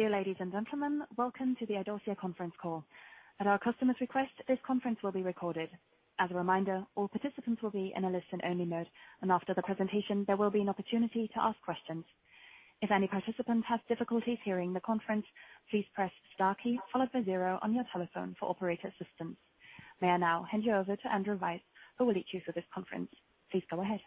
Dear ladies and gentlemen, welcome to the Idorsia conference call. At our customers request, this call will be recorded. As a reminder, all participants will be in listen only mode. After the presentation, there will be an opportunity to ask questions. If any participant has difficulties hearing the conference, please press star key followed by zero on your telephone for operator assistant. May I now hand over to Andrew Weiss. Please go ahead.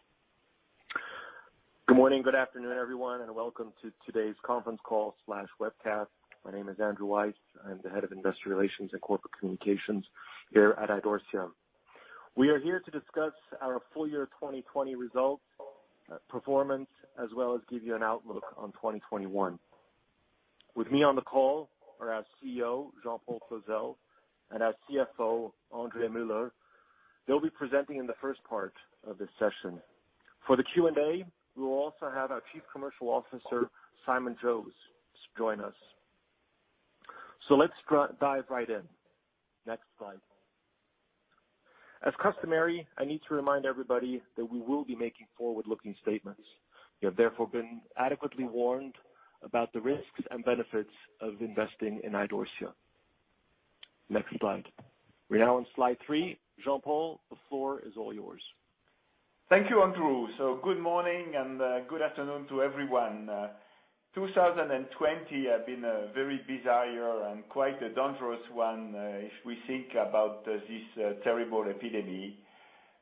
Good morning, good afternoon, everyone. Welcome to today's conference call/webcast. My name is Andrew Weiss. I'm the Head of Investor Relations and Corporate Communications here at Idorsia. We are here to discuss our full year 2020 results, performance, as well as give you an outlook on 2021. With me on the call are our CEO, Jean-Paul Clozel, and our CFO, André Muller. They'll be presenting in the first part of this session. For the Q&A, we will also have our Chief Commercial Officer, Simon Jose, join us. Let's dive right in. Next slide. As customary, I need to remind everybody that we will be making forward-looking statements. You have therefore been adequately warned about the risks and benefits of investing in Idorsia. Next slide. We're now on slide three. Jean-Paul, the floor is all yours. Thank you, Andrew. Good morning and good afternoon to everyone. 2020 had been a very bizarre year and quite a dangerous one, if we think about this terrible epidemic.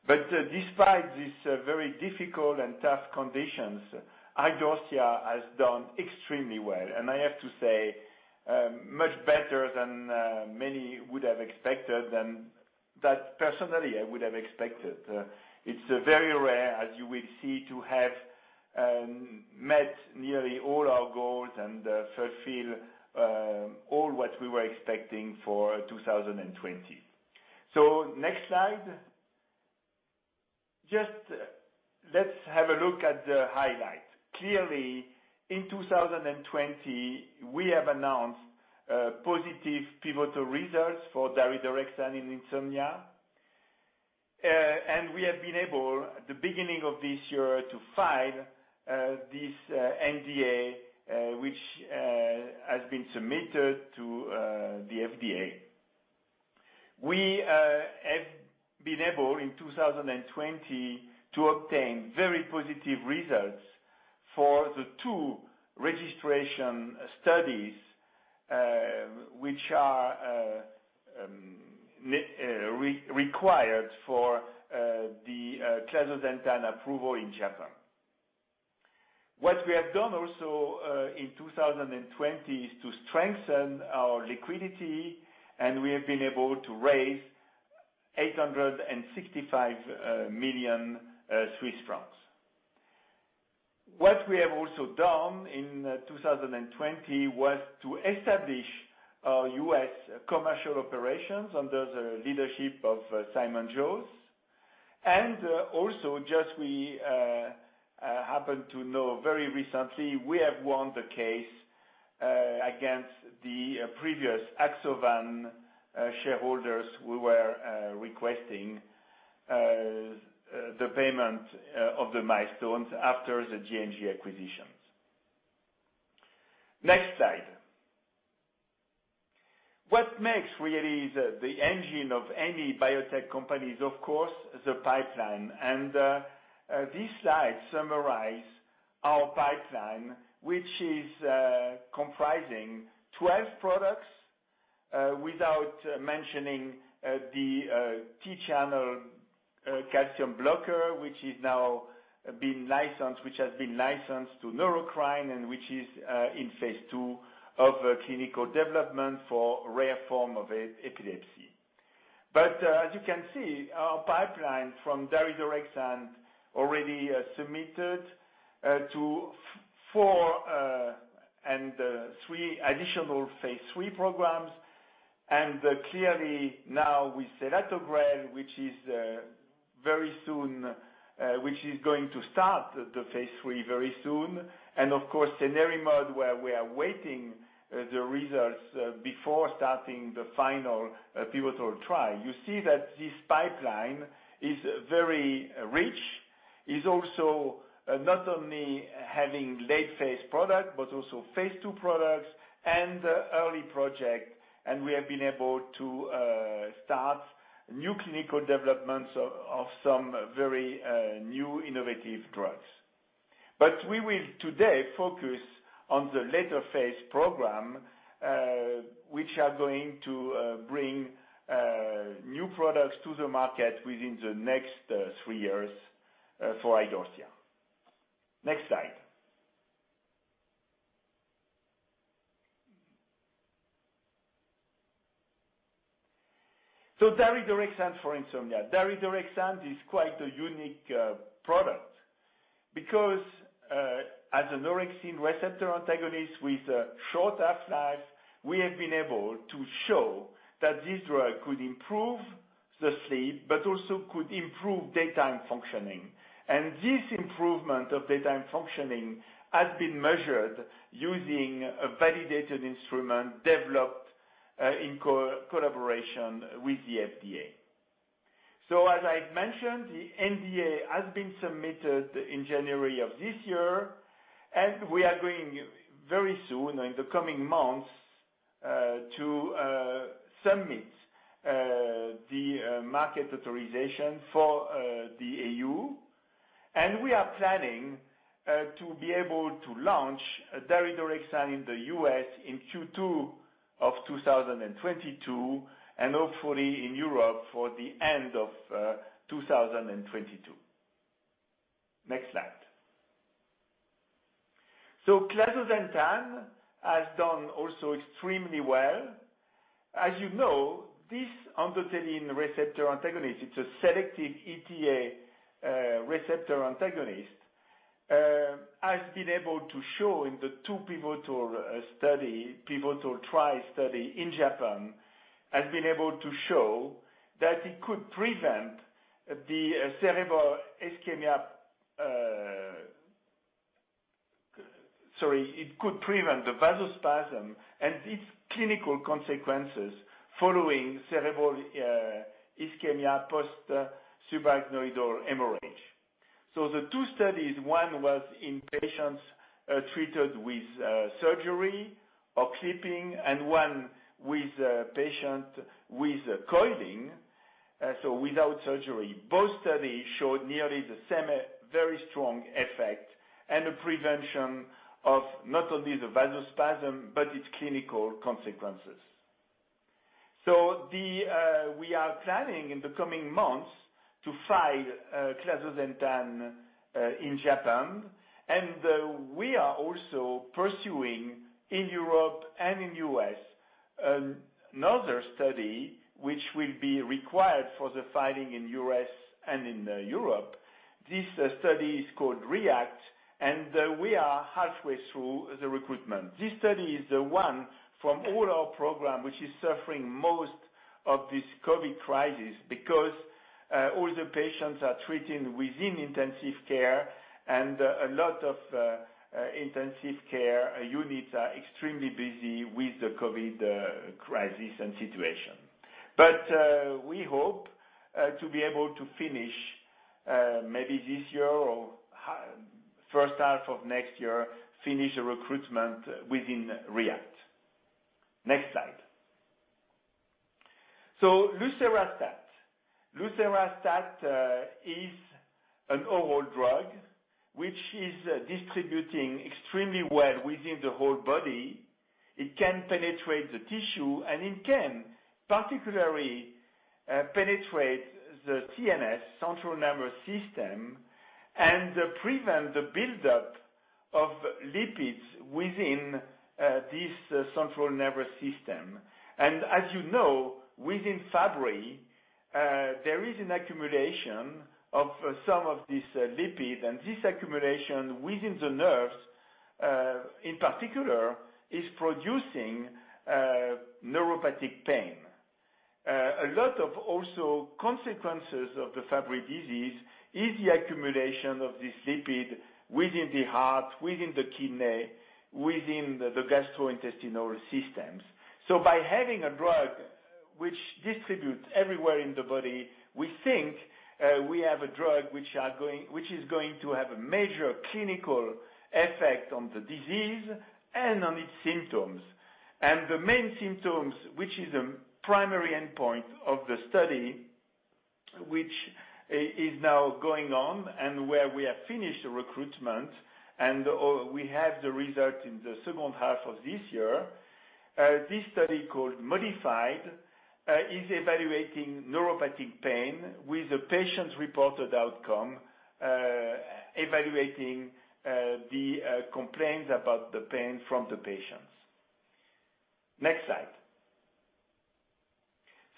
Despite these very difficult and tough conditions, Idorsia has done extremely well, and I have to say, much better than many would have expected and that personally, I would have expected. It's very rare, as you will see, to have met nearly all our goals and fulfill all what we were expecting for 2020. Next slide. Just let's have a look at the highlights. Clearly, in 2020, we have announced positive pivotal results for daridorexant in insomnia. We have been able, at the beginning of this year, to file this NDA, which has been submitted to the FDA. We have been able, in 2020, to obtain very positive results for the two registration studies, which are required for the clazosentan approval in Japan. What we have done also, in 2020, is to strengthen our liquidity. We have been able to raise 865 million Swiss francs. What we have also done in 2020 was to establish our U.S. commercial operations under the leadership of Simon Jose. Also, just we happen to know very recently, we have won the case against the previous Axovan shareholders who were requesting the payment of the milestones after the J&J acquisition. Next slide. What makes really the engine of any biotech company is, of course, the pipeline. This slide summarizes our pipeline, which is comprising 12 products, without mentioning the T-type calcium channel blocker, which has been licensed to Neurocrine and which is in phase II of clinical development for rare form of epilepsy. As you can see, our pipeline from daridorexant already submitted to four and three additional phase III programs. Clearly now with selatogrel, which is going to start the phase III very soon. Of course cenerimod, where we are waiting the results before starting the final pivotal trial. You see that this pipeline is very rich, is also not only having late-phase product, but also phase II products and early project. We have been able to start new clinical developments of some very new innovative drugs. We will today focus on the later phase program, which are going to bring new products to the market within the next three years for Idorsia. Next slide. Daridorexant for insomnia. Daridorexant is quite a unique product because, as a orexin receptor antagonist with a short half-life, we have been able to show that this drug could improve the sleep, but also could improve daytime functioning. This improvement of daytime functioning has been measured using a validated instrument developed in collaboration with the FDA. As I mentioned, the NDA has been submitted in January of this year, and we are going very soon, in the coming months, to submit the market authorization for the EU. We are planning to be able to launch daridorexant in the U.S. in Q2 of 2022, and hopefully in Europe for the end of 2022. Next slide. Clazosentan has done also extremely well. As you know, this endothelin receptor antagonist, it's a selective ETA receptor antagonist, has been able to show in the two pivotal trial study in Japan, has been able to show that it could prevent the vasospasm and its clinical consequences following cerebral ischemia post-subarachnoid hemorrhage. The two studies, one was in patients treated with surgery or clipping and one with a patient with coiling, so without surgery. Both studies showed nearly the same very strong effect and a prevention of not only the vasospasm, but its clinical consequences. We are planning in the coming months to file clazosentan in Japan, and we are also pursuing in Europe and in U.S. another study, which will be required for the filing in U.S. and in Europe. This study is called REACT, and we are halfway through the recruitment. This study is the one from all our program, which is suffering most of this COVID crisis because all the patients are treated within intensive care, and a lot of intensive care units are extremely busy with the COVID crisis and situation. We hope to be able to finish, maybe this year or first half of next year, finish the recruitment within REACT. Next slide. Lucerastat. Lucerastat is an oral drug, which is distributing extremely well within the whole body. It can penetrate the tissue, and it can particularly penetrate the CNS, central nervous system, and prevent the buildup of lipids within this central nervous system. As you know, within Fabry, there is an accumulation of some of this lipid, and this accumulation within the nerves, in particular, is producing neuropathic pain. A lot of also consequences of the Fabry disease is the accumulation of this lipid within the heart, within the kidney, within the gastrointestinal systems. By having a drug which distributes everywhere in the body, we think we have a drug which is going to have a major clinical effect on the disease and on its symptoms. The main symptoms, which is a primary endpoint of the study, which is now going on and where we have finished the recruitment and we have the result in the second half of this year. This study, called MODIFY, is evaluating neuropathic pain with the patient's reported outcome, evaluating the complaints about the pain from the patients. Next slide.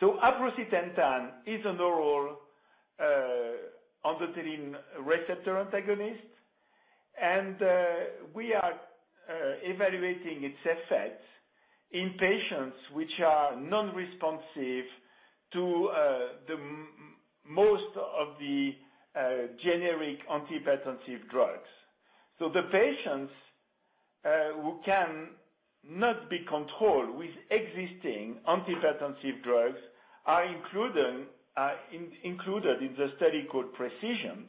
Aprocitentan is an oral endothelin receptor antagonist, and we are evaluating its effects in patients which are non-responsive to most of the generic antihypertensive drugs. The patients who cannot be controlled with existing antihypertensive drugs are included in the study called PRECISION.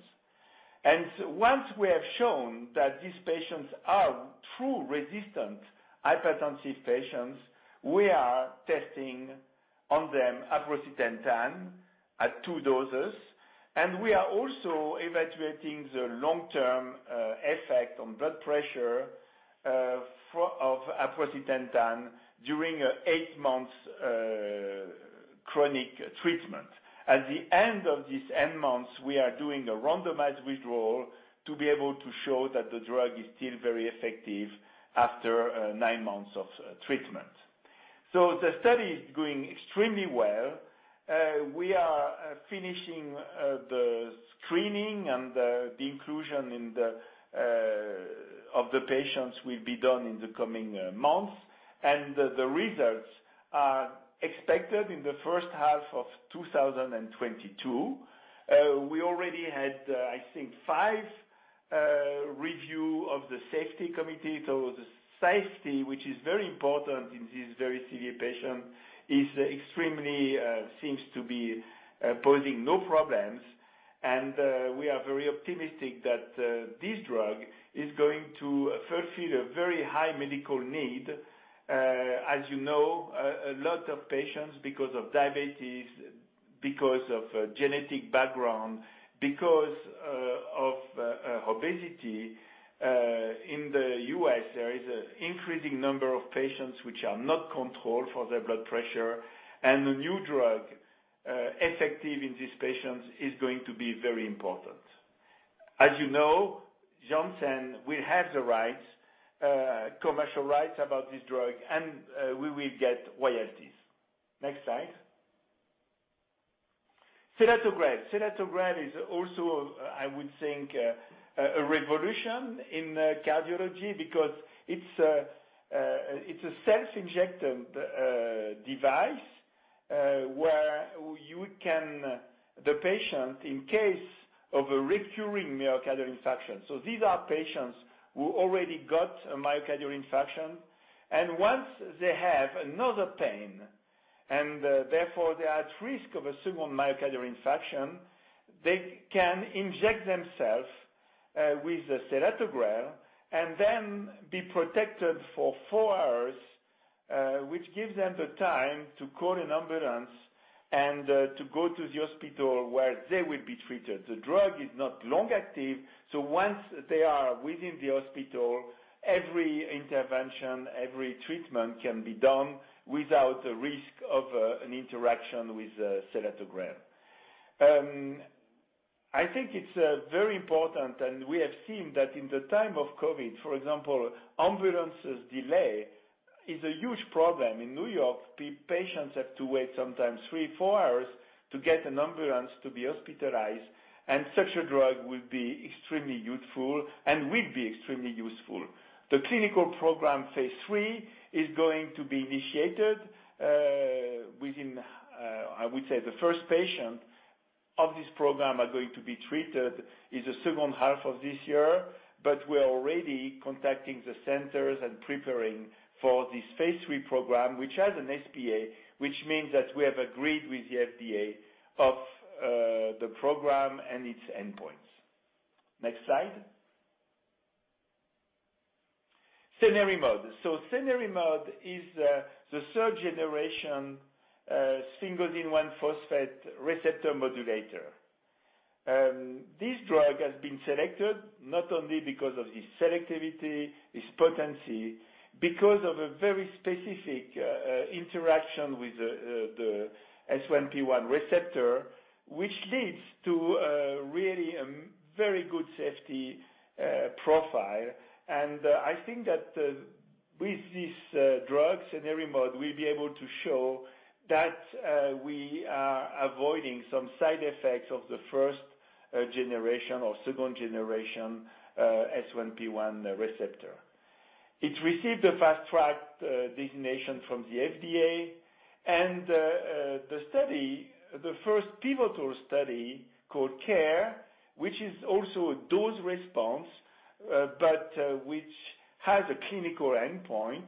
Once we have shown that these patients are true resistant hypertensive patients, we are testing on them aprocitentan at two doses. We are also evaluating the long-term effect on blood pressure of aprocitentan during eight months chronic treatment. At the end of this eight months, we are doing a randomized withdrawal to be able to show that the drug is still very effective after nine months of treatment. The study is going extremely well. We are finishing the screening, and the inclusion of the patients will be done in the coming months. The results are expected in the first half of 2022. We already had, I think, five review of the safety committee. The safety, which is very important in these very severe patients, extremely seems to be posing no problems. We are very optimistic that this drug is going to fulfill a very high medical need. As you know, a lot of patients, because of diabetes, because of genetic background, because of obesity, in the U.S., there is an increasing number of patients which are not controlled for their blood pressure. A new drug effective in these patients is going to be very important. As you know, Janssen will have the commercial rights about this drug, and we will get royalties. Next slide. Selatogrel. Selatogrel is also, I would think, a revolution in cardiology because it's a self-injectable device where the patient, in case of a recurring myocardial infarction, these are patients who already got a myocardial infarction. Once they have another pain, therefore they are at risk of a second myocardial infarction, they can inject themselves with the selatogrel, then be protected for four hours, which gives them the time to call an ambulance and to go to the hospital where they will be treated. The drug is not long-acting. Once they are within the hospital, every intervention, every treatment can be done without the risk of an interaction with selatogrel. I think it's very important. We have seen that in the time of COVID, for example, ambulances' delay is a huge problem. In New York, patients have to wait sometimes three, four hours to get an ambulance to be hospitalized. Such a drug will be extremely useful. The clinical program phase III is going to be initiated. The first patient of this program are going to be treated is the second half of this year. We're already contacting the centers and preparing for this phase III program, which has an SPA, which means that we have agreed with the FDA of the program and its endpoints. Next slide. Cenerimod. Cenerimod is the 3rd generation S1P1 receptor modulator. This drug has been selected not only because of its selectivity, its potency, because of a very specific interaction with the S1P1 receptor, which leads to a really very good safety profile. I think that with this drug, cenerimod, we'll be able to show that we are avoiding some side effects of the 1st generation or 2nd generation S1P1 receptor. It received a Fast Track designation from the FDA. The first pivotal study, called CARE, which is also a dose response, but which has a clinical endpoint,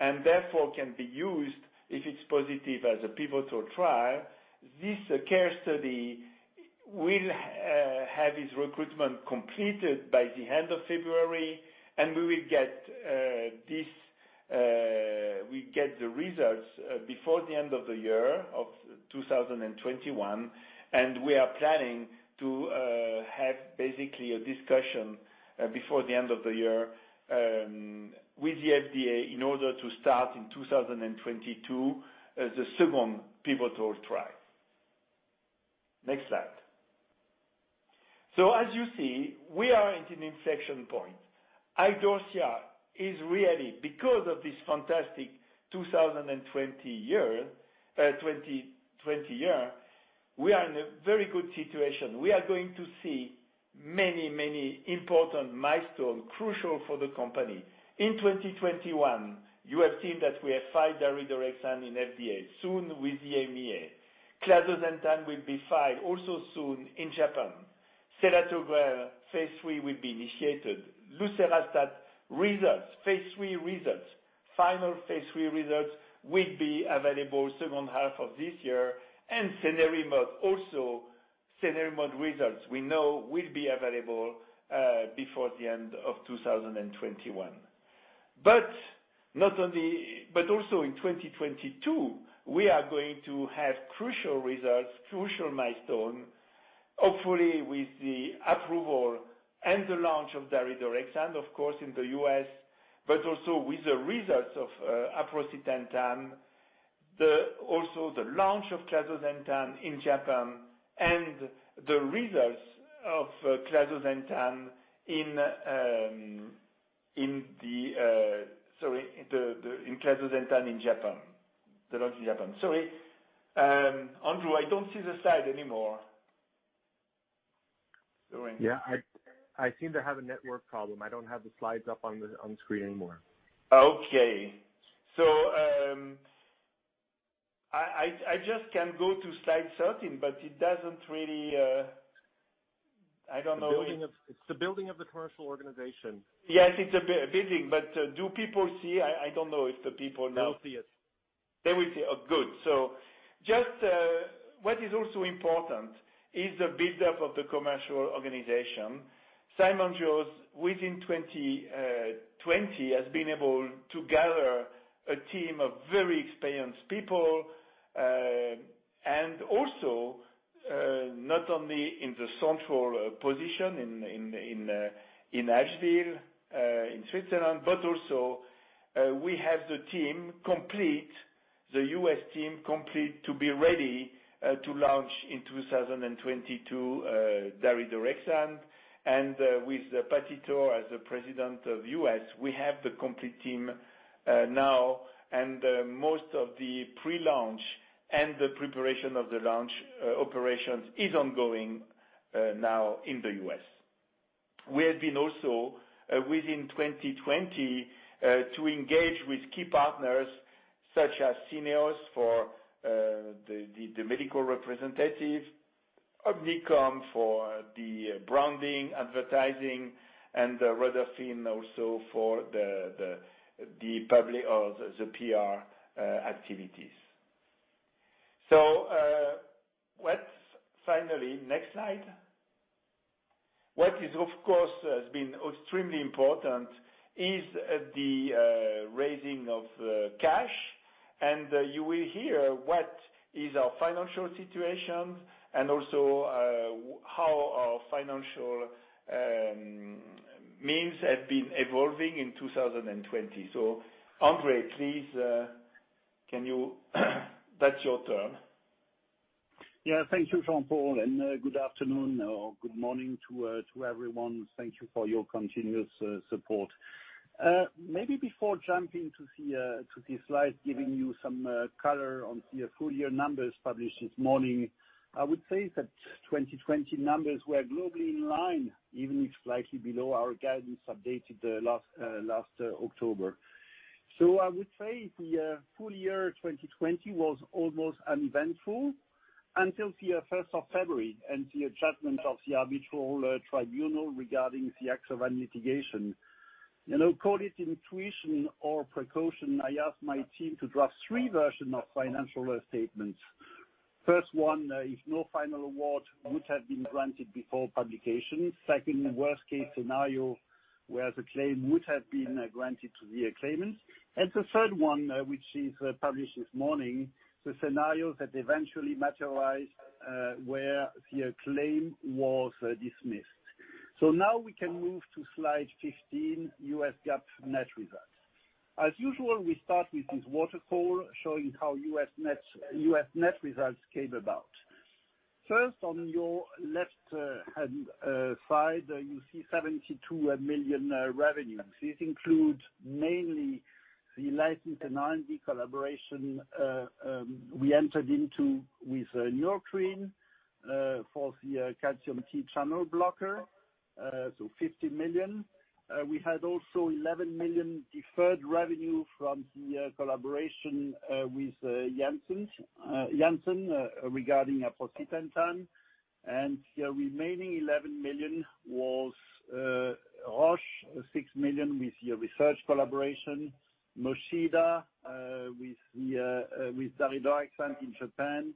and therefore can be used if it's positive as a pivotal trial. This CARE study will have its recruitment completed by the end of February, and we get the results before the end of the year of 2021. We are planning to have basically a discussion before the end of the year with the FDA in order to start in 2022 as the second pivotal trial. Next slide. As you see, we are at an inflection point. Idorsia is really, because of this fantastic 2020 year, we are in a very good situation. We are going to see many, many important milestones crucial for the company. In 2021, you have seen that we have filed daridorexant in FDA, soon with the EMEA. Clazosentan will be filed also soon in Japan. Selatogrel phase III will be initiated. Lucerastat final phase III results will be available second half of this year. Cenerimod results we know will be available before the end of 2021. Also in 2022, we are going to have crucial results, crucial milestones, hopefully with the approval and the launch of daridorexant, of course, in the U.S., also with the results of aprocitentan, also the launch of clazosentan in Japan, and the results of clazosentan in Japan. The launch in Japan. Sorry. Andrew, I don't see the slide anymore. Yeah. I seem to have a network problem. I don't have the slides up on screen anymore. Okay. I just can go to slide 13. It doesn't really I don't know. It's the building of the commercial organization. Yes, it's building, but do people see? They will see it. They will see. Oh, good. What is also important is the buildup of the commercial organization. Simon Jose, within 2020, has been able to gather a team of very experienced people, and also not only in the central position in Allschwil, in Switzerland, but also we have the team complete, the U.S. team complete to be ready to launch in 2022, daridorexant. With Patty Torr as the President of U.S., we have the complete team now, and most of the pre-launch and the preparation of the launch operations is ongoing now in the U.S. We have been also, within 2020, to engage with key partners such as Syneos for the medical representatives, Ab sitcom for the branding, advertising, and Ruder Finn also for the PR activities. Finally, next slide. What of course has been extremely important is the raising of cash, and you will hear what is our financial situation and also how our financial means have been evolving in 2020. André, please, that's your turn. Thank you, Jean-Paul, good afternoon or good morning to everyone. Thank you for your continuous support. Maybe before jumping to the slide, giving you some color on the full year numbers published this morning, I would say that 2020 numbers were globally in line, even if slightly below our guidance updated last October. I would say the full year 2020 was almost uneventful until the 1st of February and the judgment of the arbitral tribunal regarding the Axovan litigation. Call it intuition or precaution, I asked my team to draft three version of financial statements. First one, if no final award would have been granted before publication. Second, worst case scenario, where the claim would have been granted to the claimants. The third one, which is published this morning, the scenario that eventually materialized, where the claim was dismissed. Now we can move to slide 15, US GAAP net results. As usual, we start with this waterfall showing how U.S. net results came about. First, on your left-hand side, you see 72 million revenue. This includes mainly the license and R&D collaboration we entered into with Neurocrine for the T-type calcium channel blocker, 50 million. We had also 11 million deferred revenue from the collaboration with Janssen regarding aprocitentan, and the remaining 11 million was Roche, 6 million with the research collaboration, Mochida with daridorexant in Japan,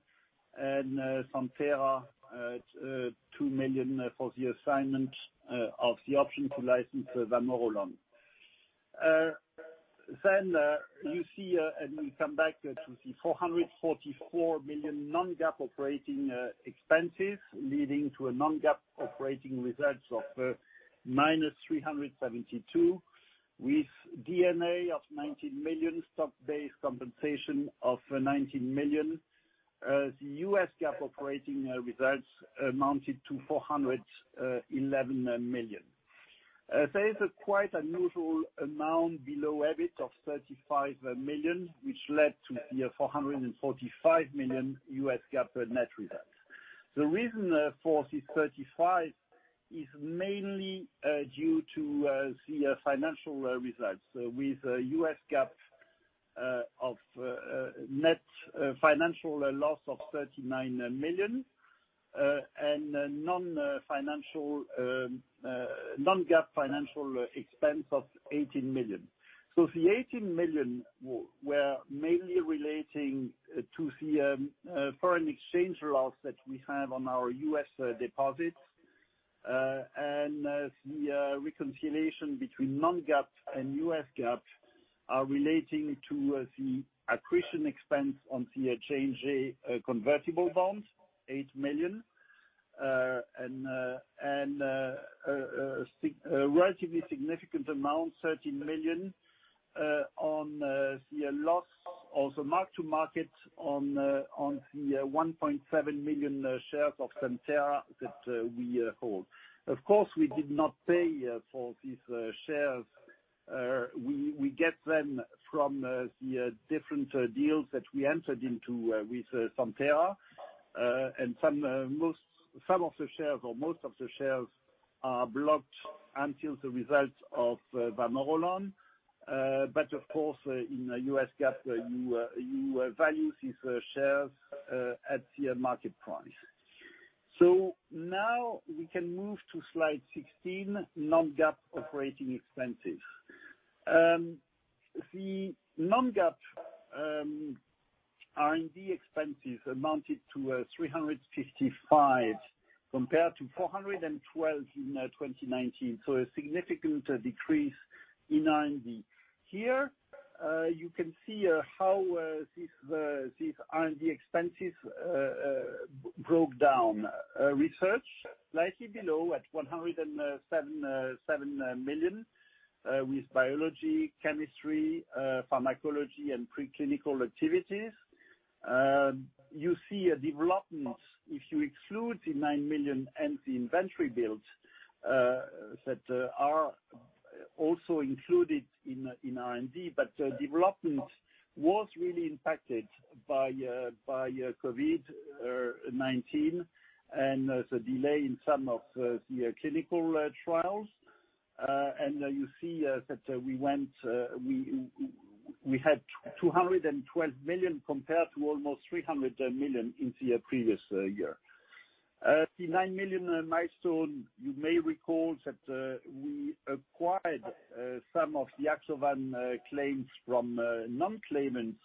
and Santhera, at 2 million for the assignment of the option to license vamorolone. We come back to the 444 million non-GAAP operating expenses leading to a non-GAAP operating results of minus 372 million with D&A of 19 million, stock-based compensation of 19 million. The US GAAP operating results amounted to 411 million. There is a quite unusual amount below EBIT of 35 million, which led to the 445 million US GAAP net results. The reason for this 35 is mainly due to the financial results with US GAAP of net financial loss of 39 million and non-GAAP financial expense of 18 million. The 18 million were mainly relating to the foreign exchange loss that we have on our U.S. deposits. The reconciliation between non-GAAP and US GAAP are relating to the accretion expense on the JNJ convertible bonds, CHF 8 million, and a relatively significant amount, 13 million, on the loss of the mark to market on the 1.7 million shares of Santhera that we hold. Of course, we did not pay for these shares. We get them from the different deals that we entered into with Santhera. Some of the shares or most of the shares are blocked until the results of vamorolone. But of course, in U.S. GAAP, you value these shares at the market price. Now we can move to slide 16, non-GAAP operating expenses. The non-GAAP R&D expenses amounted to 355 compared to 412 in 2019. A significant decrease in R&D. Here, you can see how these R&D expenses broke down. Research, slightly below at 107 million, with biology, chemistry, pharmacology, and preclinical activities. You see a development if you exclude the 9 million and the inventory build that are also included in R&D. Development was really impacted by COVID-19 and the delay in some of the clinical trials. You see that we had 212 million compared to almost 300 million in the previous year. The 9 million milestone, you may recall that we acquired some of the Axovan claims from non-claimants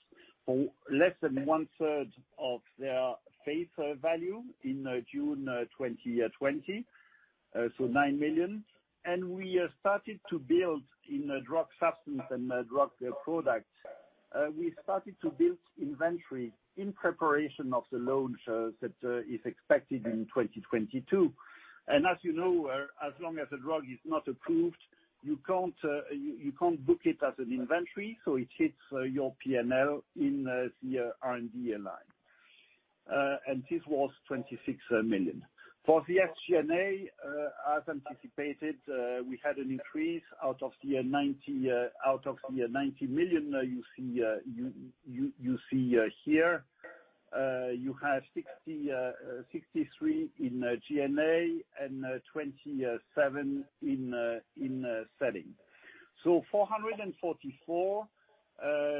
for less than 1/3 of their face value in June 2020. 9 million. We started to build in the drug substance and drug product. We started to build inventory in preparation of the launch that is expected in 2022. As you know, as long as the drug is not approved, you can't book it as an inventory, so it hits your P&L in the R&D line. This was 26 million. For the SG&A, as anticipated, we had an increase out of the 90 million you see here. You have 63 million in G&A and 27 million in selling. 444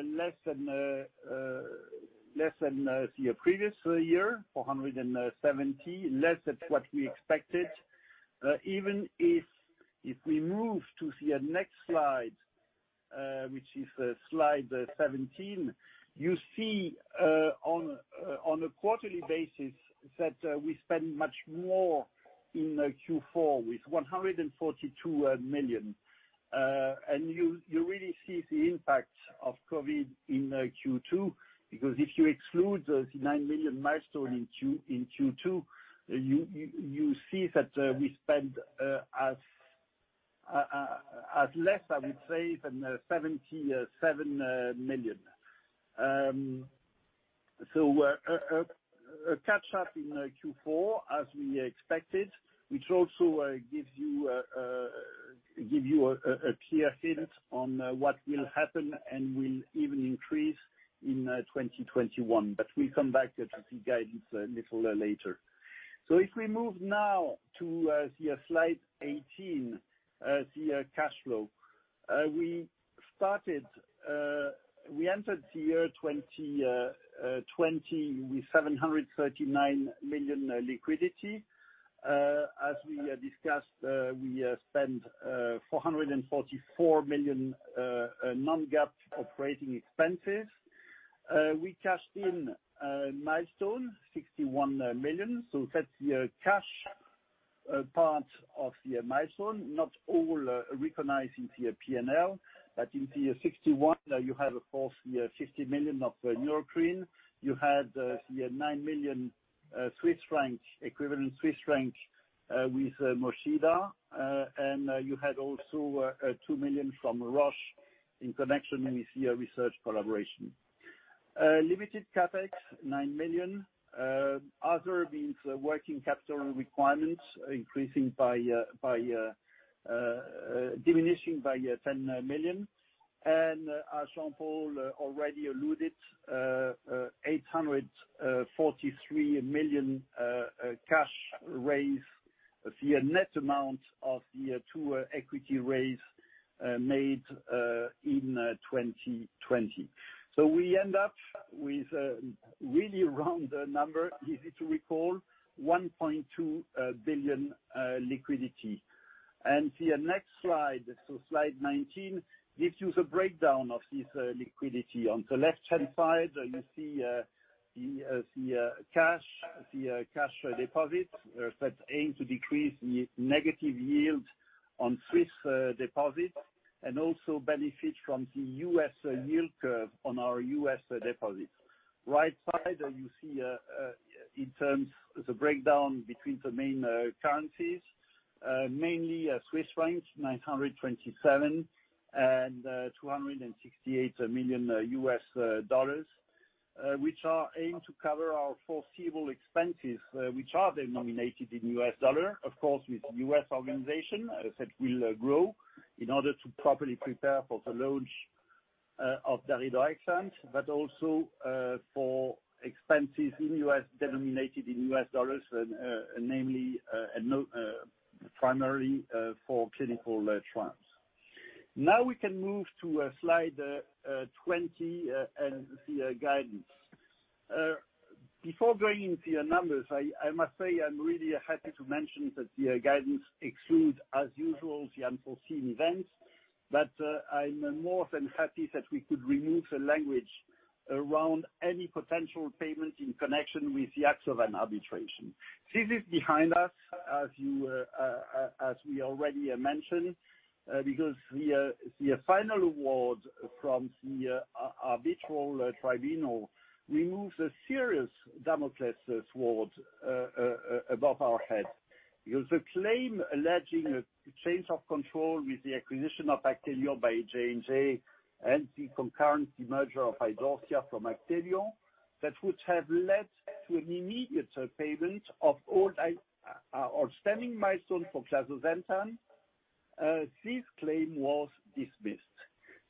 million, less than the previous year, 470 million, less than what we expected. We move to see a next slide, which is slide 17, you see on a quarterly basis that we spend much more in Q4 with 142 million. You really see the impact of COVID in Q2, because if you exclude the 9 million milestone in Q2, you see that we spend as less, I would say, than 77 million. A catch-up in Q4 as we expected, which also gives you a clear hint on what will happen and will even increase in 2021. We'll come back to the guidance a little later. If we move now to slide 18, the cash flow. We entered the year 2020 with 739 million liquidity. As we discussed, we spent 444 million non-GAAP operating expenses. We cashed in milestone, 61 million. That's the cash part of the milestone, not all recognized in the P&L, but in the 61, you have, of course, the 50 million of Neurocrine. You had the 9 million Swiss franc with Mochida. You had also 2 million from Roche in connection with the research collaboration. Limited CapEx, 9 million. Other means working capital requirements diminishing by 10 million. As Jean-Paul already alluded, 843 million cash raise, the net amount of the two equity raise made in 2020. We end up with a really round number, easy to recall, 1.2 billion liquidity. The next slide 19, gives you the breakdown of this liquidity. On the left-hand side, you see the cash deposit that aims to decrease the negative yield on Swiss deposits and also benefit from the U.S. yield curve on our U.S. deposits. Right side, you see the breakdown between the main currencies, mainly Swiss francs 927, and $268 million, which are aimed to cover our foreseeable expenses, which are denominated in U.S. dollar, of course, with U.S. organization that will grow in order to properly prepare for the launch of daridorexant, but also for expenses denominated in U.S. dollars, primarily for clinical trials. We can move to Slide 20 and the guidance. Before going into the numbers, I must say I'm really happy to mention that the guidance excludes, as usual, the unforeseen events. I'm more than happy that we could remove the language around any potential payment in connection with the Actelion arbitration. This is behind us, as we already mentioned, because the final award from the arbitral tribunal removes a serious Damocles sword above our head. Because the claim alleging a change of control with the acquisition of Actelion by J&J and the concurrent demerger of Idorsia from Actelion, that would have led to an immediate payment of all outstanding milestones for clazosentan. This claim was dismissed.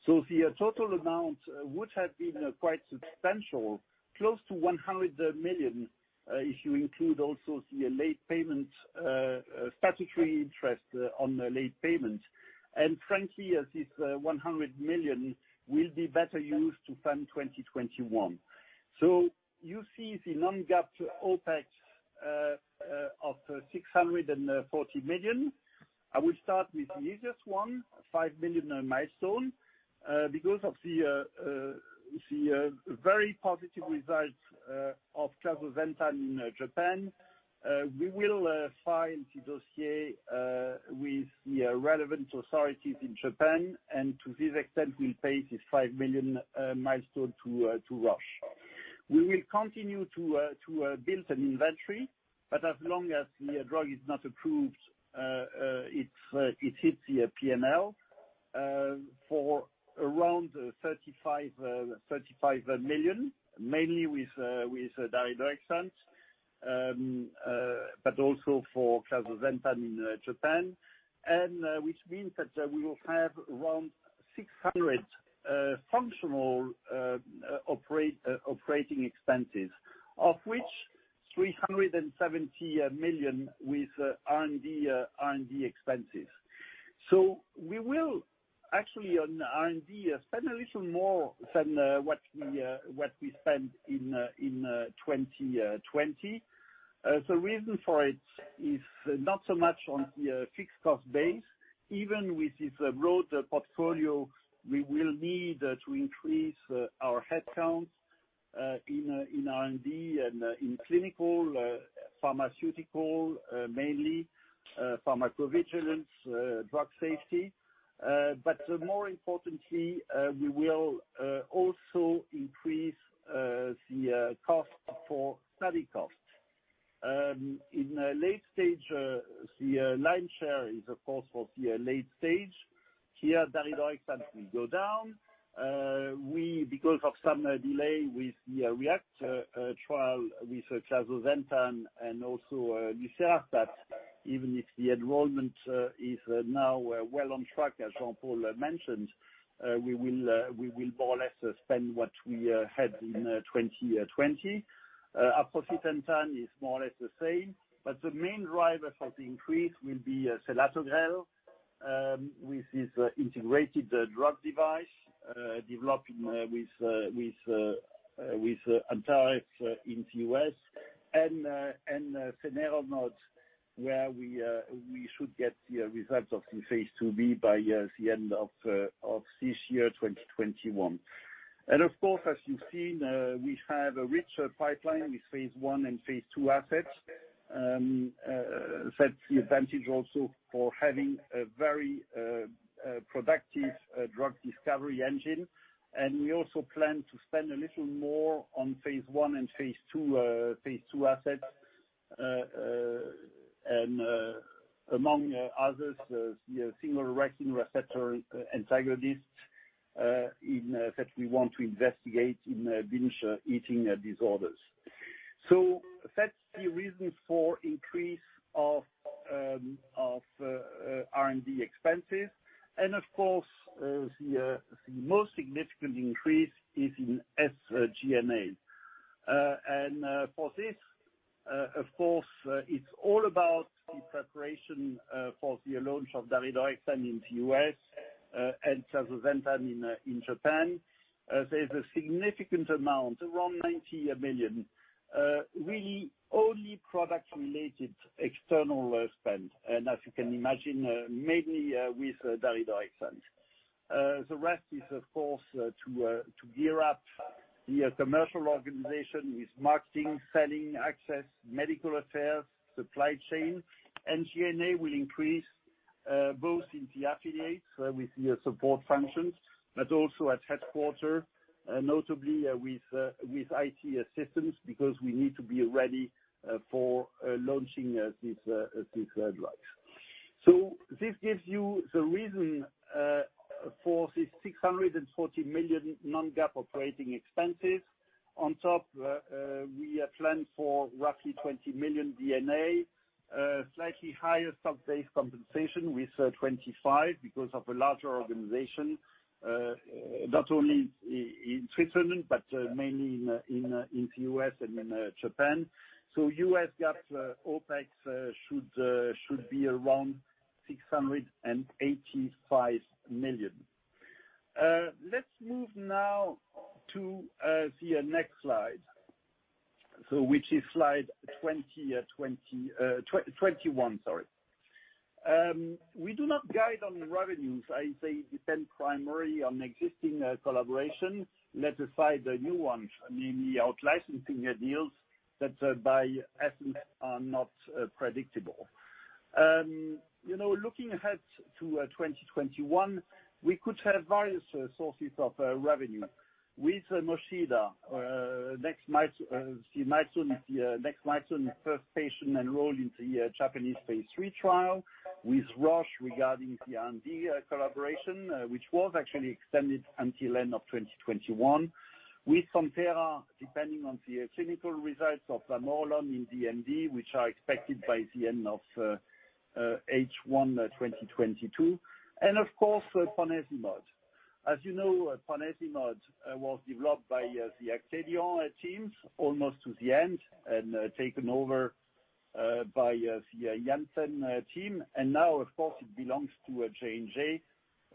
The total amount would have been quite substantial, close to 100 million, if you include also the late payment statutory interest on the late payment. Frankly, this 100 million will be better used to fund 2021. You see the non-GAAP OpEx of 640 million. I will start with the easiest one, 5 million milestone. Because of the very positive results of clazosentan in Japan, we will file the dossier with the relevant authorities in Japan, and to this extent, we'll pay the 5 million milestone to Roche. We will continue to build an inventory, but as long as the drug is not approved, it hits the P&L for around 35 million, mainly with daridorexant, but also for clazosentan in Japan. Which means that we will have around 600 million functional operating expenses, of which 370 million with R&D expenses. We will actually, on R&D, spend a little more than what we spent in 2020. The reason for it is not so much on the fixed cost base. Even with this broad portfolio, we will need to increase our headcounts in R&D and in clinical, pharmaceutical, mainly pharmacovigilance, drug safety. More importantly, we will also increase the cost for study costs. In late stage, the lion's share is of course for the late stage. Here, daridorexant will go down. Because of some delay with the REACT trial with clazosentan and also Nuseart, that even if the enrollment is now well on track, as Jean-Paul mentioned, we will more or less spend what we had in 2020. Aprocitentan is more or less the same. The main driver for the increase will be selatogrel with this integrated drug device developing with Antares in the U.S., and cenerimod, where we should get the results of the phase II-B by the end of this year, 2021. Of course, as you've seen, we have a richer pipeline with phase I and phase II assets. We also plan to spend a little more on phase I and phase II assets. Among others, the selective orexin-1 receptor antagonist that we want to investigate in binge eating disorders. That's the reason for increase of R&D expenses. Of course, the most significant increase is in SG&A. For this, of course, it's all about the preparation for the launch of daridorexant in the U.S. and clazosentan in Japan. There's a significant amount, around 90 million, really only product-related external spend. As you can imagine, mainly with daridorexant. The rest is, of course, to gear up the commercial organization with marketing, selling, access, medical affairs, supply chain. G&A will increase both in the affiliates with the support functions, but also at headquarter, notably with IT assistance, because we need to be ready for launching these drugs. This gives you the reason for this 640 million non-GAAP operating expenses. On top, we have planned for roughly 20 million D&A. Slightly higher stock-based compensation with 25 because of a larger organization, not only in Switzerland but mainly in the U.S. and in Japan. U.S. GAAP OpEx should be around 685 million. Let's move now to the next slide, which is slide 21. We do not guide on revenues. I say depend primarily on existing collaboration. Let us find a new one, namely out-licensing deals that by essence are not predictable. Looking ahead to 2021, we could have various sources of revenue. With Mochida, next milestone, first patient enrolled into Japanese phase III trial. With Roche regarding the R&D collaboration, which was actually extended until end of 2021. With Santhera, depending on the clinical results of vamorolone in DMD, which are expected by the end of H1 2022, and of course ponesimod. As you know, ponesimod was developed by the Actelion teams almost to the end and taken over by the Janssen team. Now, of course, it belongs to J&J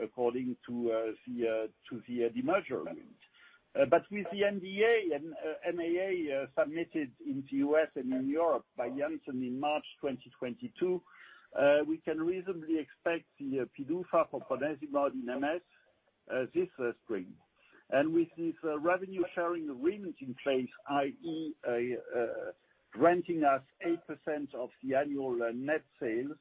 according to the demerger agreement. With the NDA and MAA submitted in the U.S. and in Europe by Janssen in March 2022, we can reasonably expect the PDUFA for ponesimod in MS this spring. With this revenue sharing arrangement in place, i.e., granting us 8% of the annual net sales,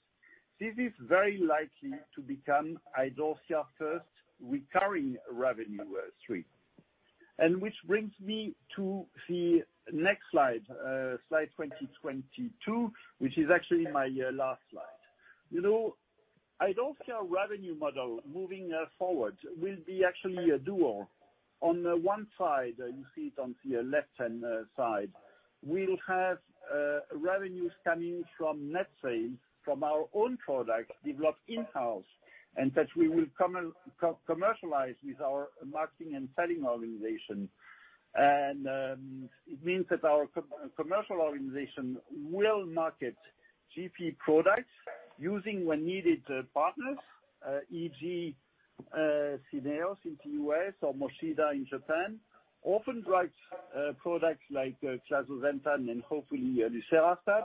this is very likely to become Idorsia first recurring revenue stream. Which brings me to the next slide 22, which is actually my last slide. Idorsia revenue model moving forward will be actually a duo. On the one side, you see it on the left-hand side. We'll have revenues coming from net sales from our own product developed in-house, that we will commercialize with our marketing and selling organization. It means that our commercial organization will market GP products using when needed partners, e.g., Syneos in the U.S. or Mochida in Japan. Orphan drugs products like clazosentan and hopefully lucerastat,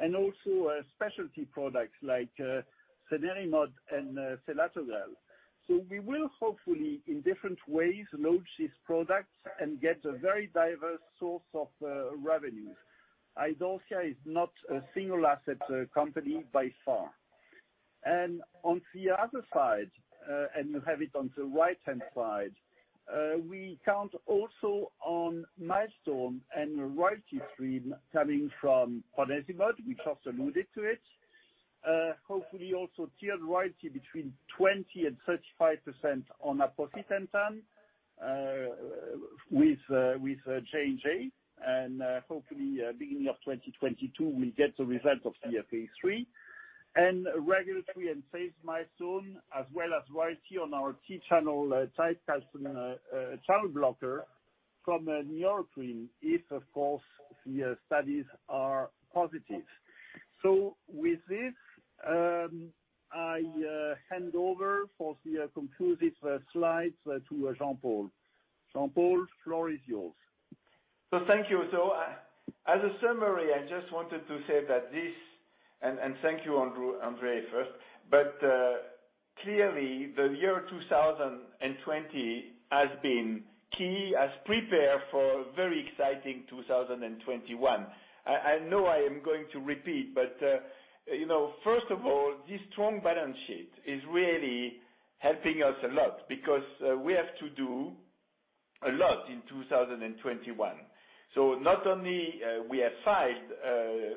also specialty products like cenerimod and selatogrel. We will hopefully, in different ways, launch these products and get a very diverse source of revenues. Idorsia is not a single asset company by far. On the other side, and you have it on the right-hand side, we count also on milestone and royalty stream coming from ponesimod. We just alluded to it. Hopefully also tiered royalty between 20% and 35% on aprocitentan with J&J. Hopefully beginning of 2022, we'll get the result of the phase III. Regulatory and phase milestone as well as royalty on our T-type calcium channel blocker from Neurocrine if, of course, the studies are positive. With this, I hand over for the conclusive slides to Jean-Paul. Jean-Paul, floor is yours. Thank you. As a summary, I just wanted to say that, thank you, André, first. Clearly the year 2020 has been key, has prepared for very exciting 2021. I know I am going to repeat, but first of all, this strong balance sheet is really helping us a lot because we have to do a lot in 2021. Not only we have filed,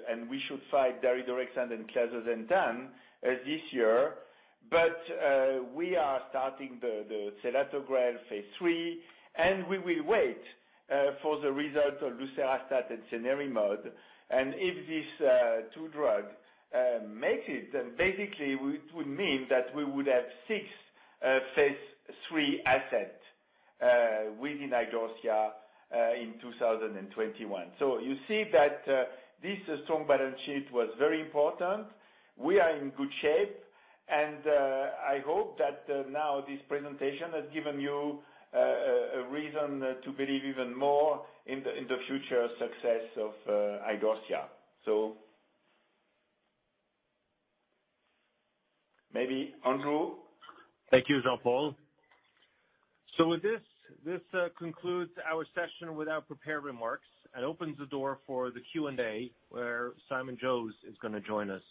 and we should file daridorexant and clazosentan this year, but we are starting the selatogrel phase III, and we will wait for the result of lucerastat and cenerimod. If these two drug make it, then basically it would mean that we would have six phase III asset within Idorsia in 2021. You see that this strong balance sheet was very important. We are in good shape, I hope that now this presentation has given you a reason to believe even more in the future success of Idorsia. Maybe Andrew. Thank you, Jean-Paul. With this concludes our session with our prepared remarks and opens the door for the Q&A, where Simon Jose is going to join us.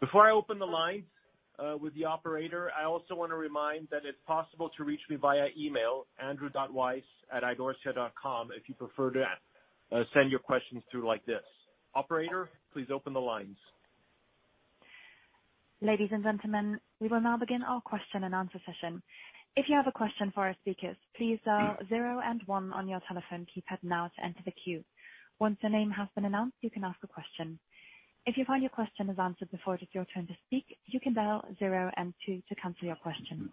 Before I open the lines with the operator, I also want to remind that it's possible to reach me via email, andrew.weiss@idorsia.com, if you prefer to send your questions through like this. Operator, please open the lines. Ladies and gentlemen. We will now begin our question and answer session. If you have a question for our speaker, please press star zero and one on your telephone to enter the queue once your name has been announced, you can ask a question. If you find your question is question is answered before it's your turn, you can dial zero and two to cancel your question.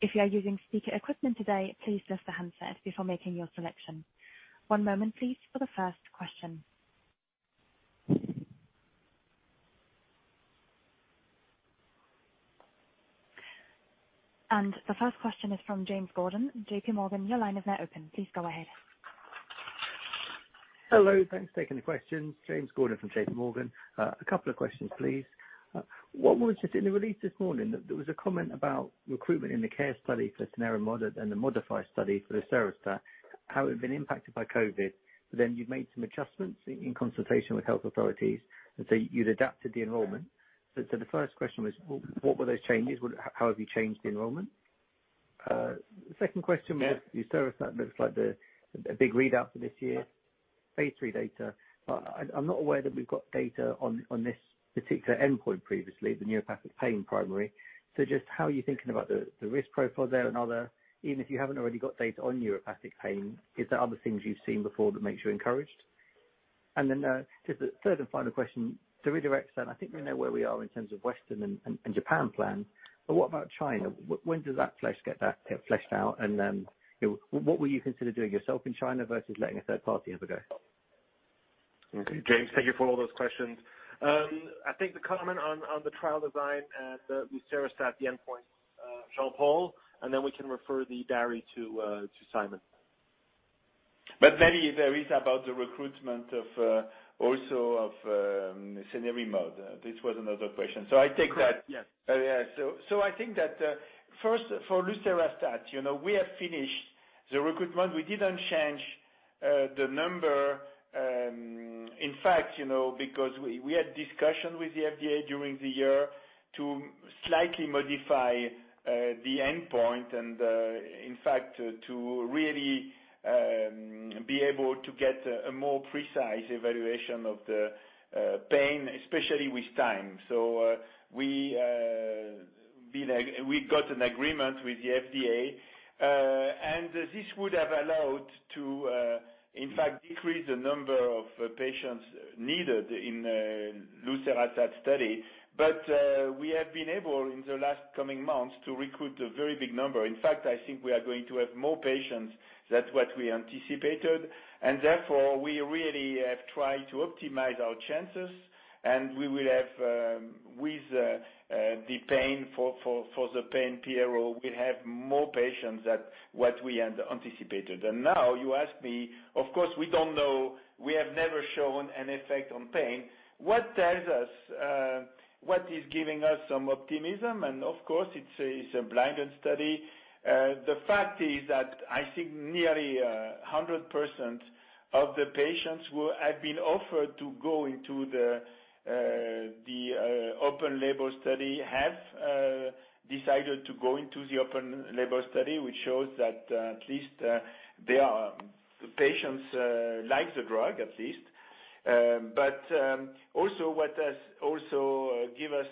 If you're using speaker equipment today, please lift the handset before making your selection. One moment, please, for the first question. The first question is from James Gordon, JPMorgan. Your line is now open. Please go ahead. Hello. Thanks for taking the question. James Gordon from JPMorgan. A couple of questions, please. What was it in the release this morning? There was a comment about recruitment in the CARE study for cenerimod and the MODIFY study for lucerastat, how it had been impacted by COVID, but then you've made some adjustments in consultation with health authorities, and so you'd adapted the enrollment. The first question was, what were those changes? How have you changed the enrollment? Second question was, lucerastat looks like the big readout for this year, phase III data. I'm not aware that we've got data on this particular endpoint previously, the neuropathic pain primary. Just how are you thinking about the risk profile there and other, even if you haven't already got data on neuropathic pain, is there other things you've seen before that makes you encouraged? Just the third and final question, daridorexant, I think we know where we are in terms of Western and Japan plan, but what about China? When does that get fleshed out? What will you consider doing yourself in China versus letting a third party have a go? James, thank you for all those questions. I think the comment on the trial design at lucerastat, the endpoint, Jean-Paul, and then we can refer the daridorexant to Simon. Maybe there is about the recruitment of also of cenerimod. This was another question. I take that. Correct. Yes. I think that, first, for lucerastat, we have finished the recruitment. We didn't change the number. Because we had discussion with the FDA during the year to slightly modify the endpoint and, in fact, to really be able to get a more precise evaluation of the pain, especially with time. We got an agreement with the FDA, and this would have allowed to, in fact, decrease the number of patients needed in lucerastat study. We have been able in the last coming months to recruit a very big number. I think we are going to have more patients than what we anticipated. We really have tried to optimize our chances, and we will have with the pain for the pain PRO, we have more patients than what we had anticipated. Now you ask me, of course, we don't know. We have never shown an effect on pain. What tells us, what is giving us some optimism, and of course, it's a blinded study. The fact is that I think nearly 100% of the patients who have been offered to go into the open label study have decided to go into the open label study, which shows that at least they are patients like the drug, at least. Also what does also give us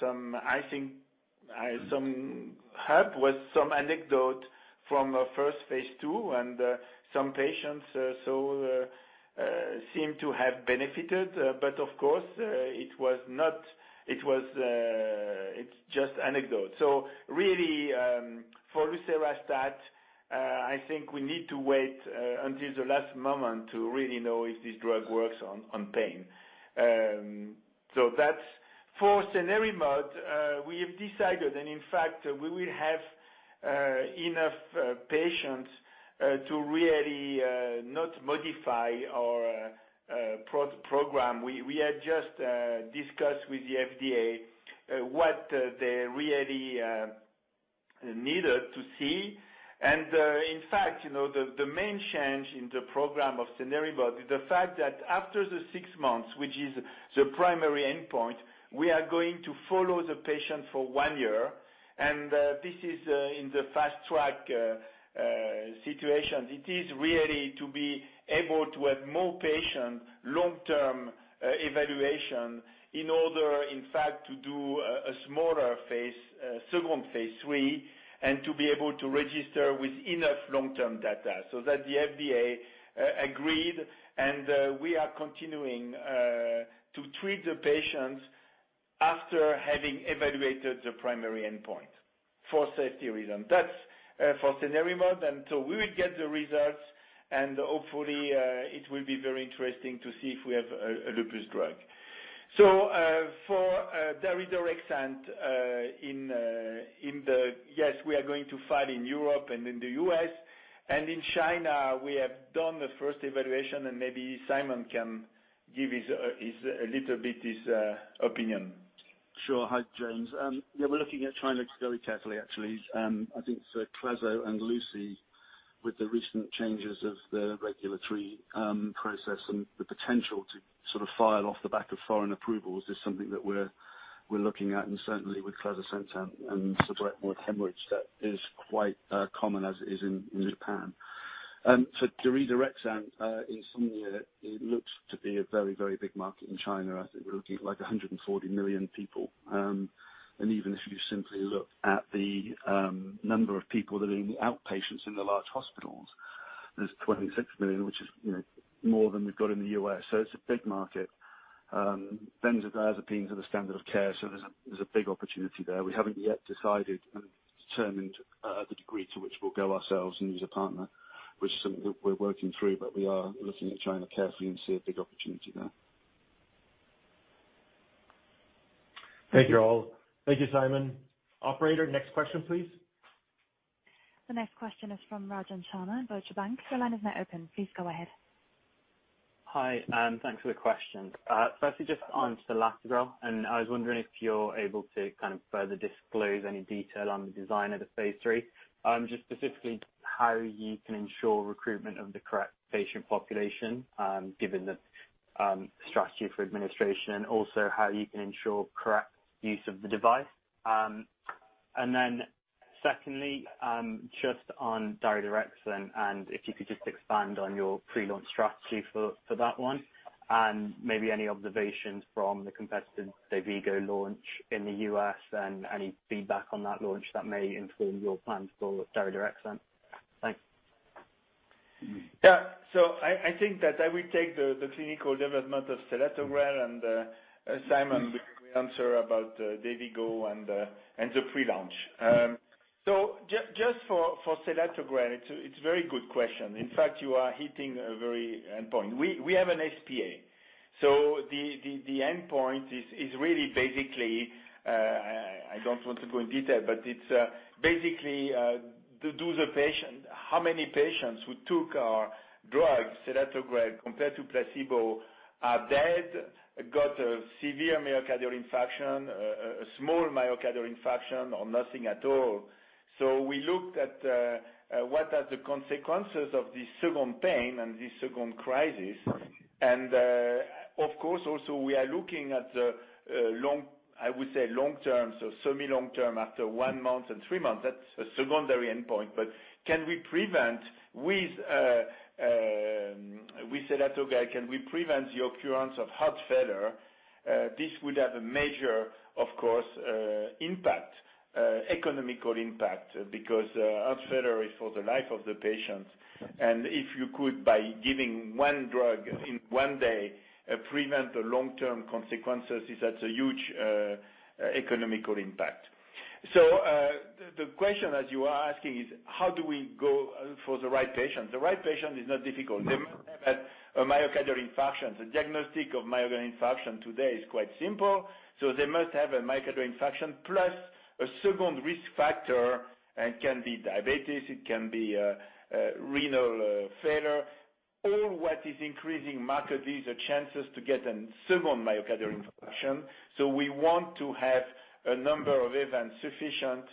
some, I think, some help with some anecdote from our first phase II, and some patients seem to have benefited. Of course, it's just anecdote. Really, for lucerastat, I think we need to wait until the last moment to really know if this drug works on pain. For cenerimod, we have decided, and in fact, we will have enough patients to really not modify our program. We had just discussed with the FDA what they really needed to see. In fact, the main change in the program of cenerimod is the fact that after the six months, which is the primary endpoint, we are going to follow the patient for one year. This is in the Fast Track situation. It is really to be able to have more patient long-term evaluation in order, in fact, to do a smaller phase, second phase III, and to be able to register with enough long-term data so that the FDA agreed, and we are continuing to treat the patients after having evaluated the primary endpoint for safety reason. That's for cenerimod. So we will get the results, and hopefully, it will be very interesting to see if we have a lupus drug. For daridorexant, yes, we are going to file in Europe and in the U.S. In China, we have done the first evaluation, and maybe Simon can give a little bit his opinion. Sure. Hi, James. Yeah, we're looking at China very carefully, actually. I think for Clazo and Lucy, with the recent changes of the regulatory process and the potential to sort of file off the back of foreign approvals is something that we're looking at, and certainly with clazosentan and the direct with hemorrhage, that is quite common as it is in Japan. Daridorexant, insomnia, it looks to be a very, very big market in China. I think we're looking at 140 million people. Even if you simply look at the number of people that are in the outpatients in the large hospitals, there's 26 million, which is more than we've got in the U.S. It's a big market. benzodiazepines are the standard of care, there's a big opportunity there. We haven't yet decided and determined the degree to which we'll go ourselves and use a partner, which is something that we're working through, but we are looking at China carefully and see a big opportunity there. Thank you, all. Thank you, Simon. Operator, next question, please. The next question is from Rajan Sharma at Deutsche Bank. Your line is now open. Please go ahead. Hi, thanks for the question. Firstly, just onto selatogrel, and I was wondering if you're able to further disclose any detail on the design of the phase III. Just specifically how you can ensure recruitment of the correct patient population, given the strategy for administration. Also, how you can ensure correct use of the device. Secondly, just on daridorexant, and if you could just expand on your pre-launch strategy for that one. Maybe any observations from the competitor DAYVIGO launch in the U.S. and any feedback on that launch that may inform your plans for daridorexant. Thanks. Yeah. I think that I will take the clinical development of selatogrel, and Simon will answer about DAYVIGO and the pre-launch. Just for selatogrel, it's a very good question. In fact, you are hitting a very end point. We have an SPA. The endpoint is really basically, I don't want to go in detail, but it's basically how many patients who took our drug, selatogrel, compared to placebo, are dead, got a severe myocardial infarction, a small myocardial infarction, or nothing at all. We looked at what are the consequences of this second pain and this second crisis. Of course, also we are looking at the, I would say, long-term, semi-long-term, after one month and three months. That's a secondary endpoint. Can we prevent, with selatogrel, can we prevent the occurrence of heart failure? This would have a major, of course, economic impact, because heart failure is for the life of the patient. If you could, by giving one drug in one day, prevent the long-term consequences, it has a huge economic impact. The question as you are asking is, how do we go for the right patient? The right patient is not difficult. They must have had a myocardial infarction. The diagnosis of myocardial infarction today is quite simple. They must have a myocardial infarction plus a second risk factor. It can be diabetes. It can be renal failure. All that is increasing markedly the chances to get a second myocardial infarction. We want to have a number of events sufficient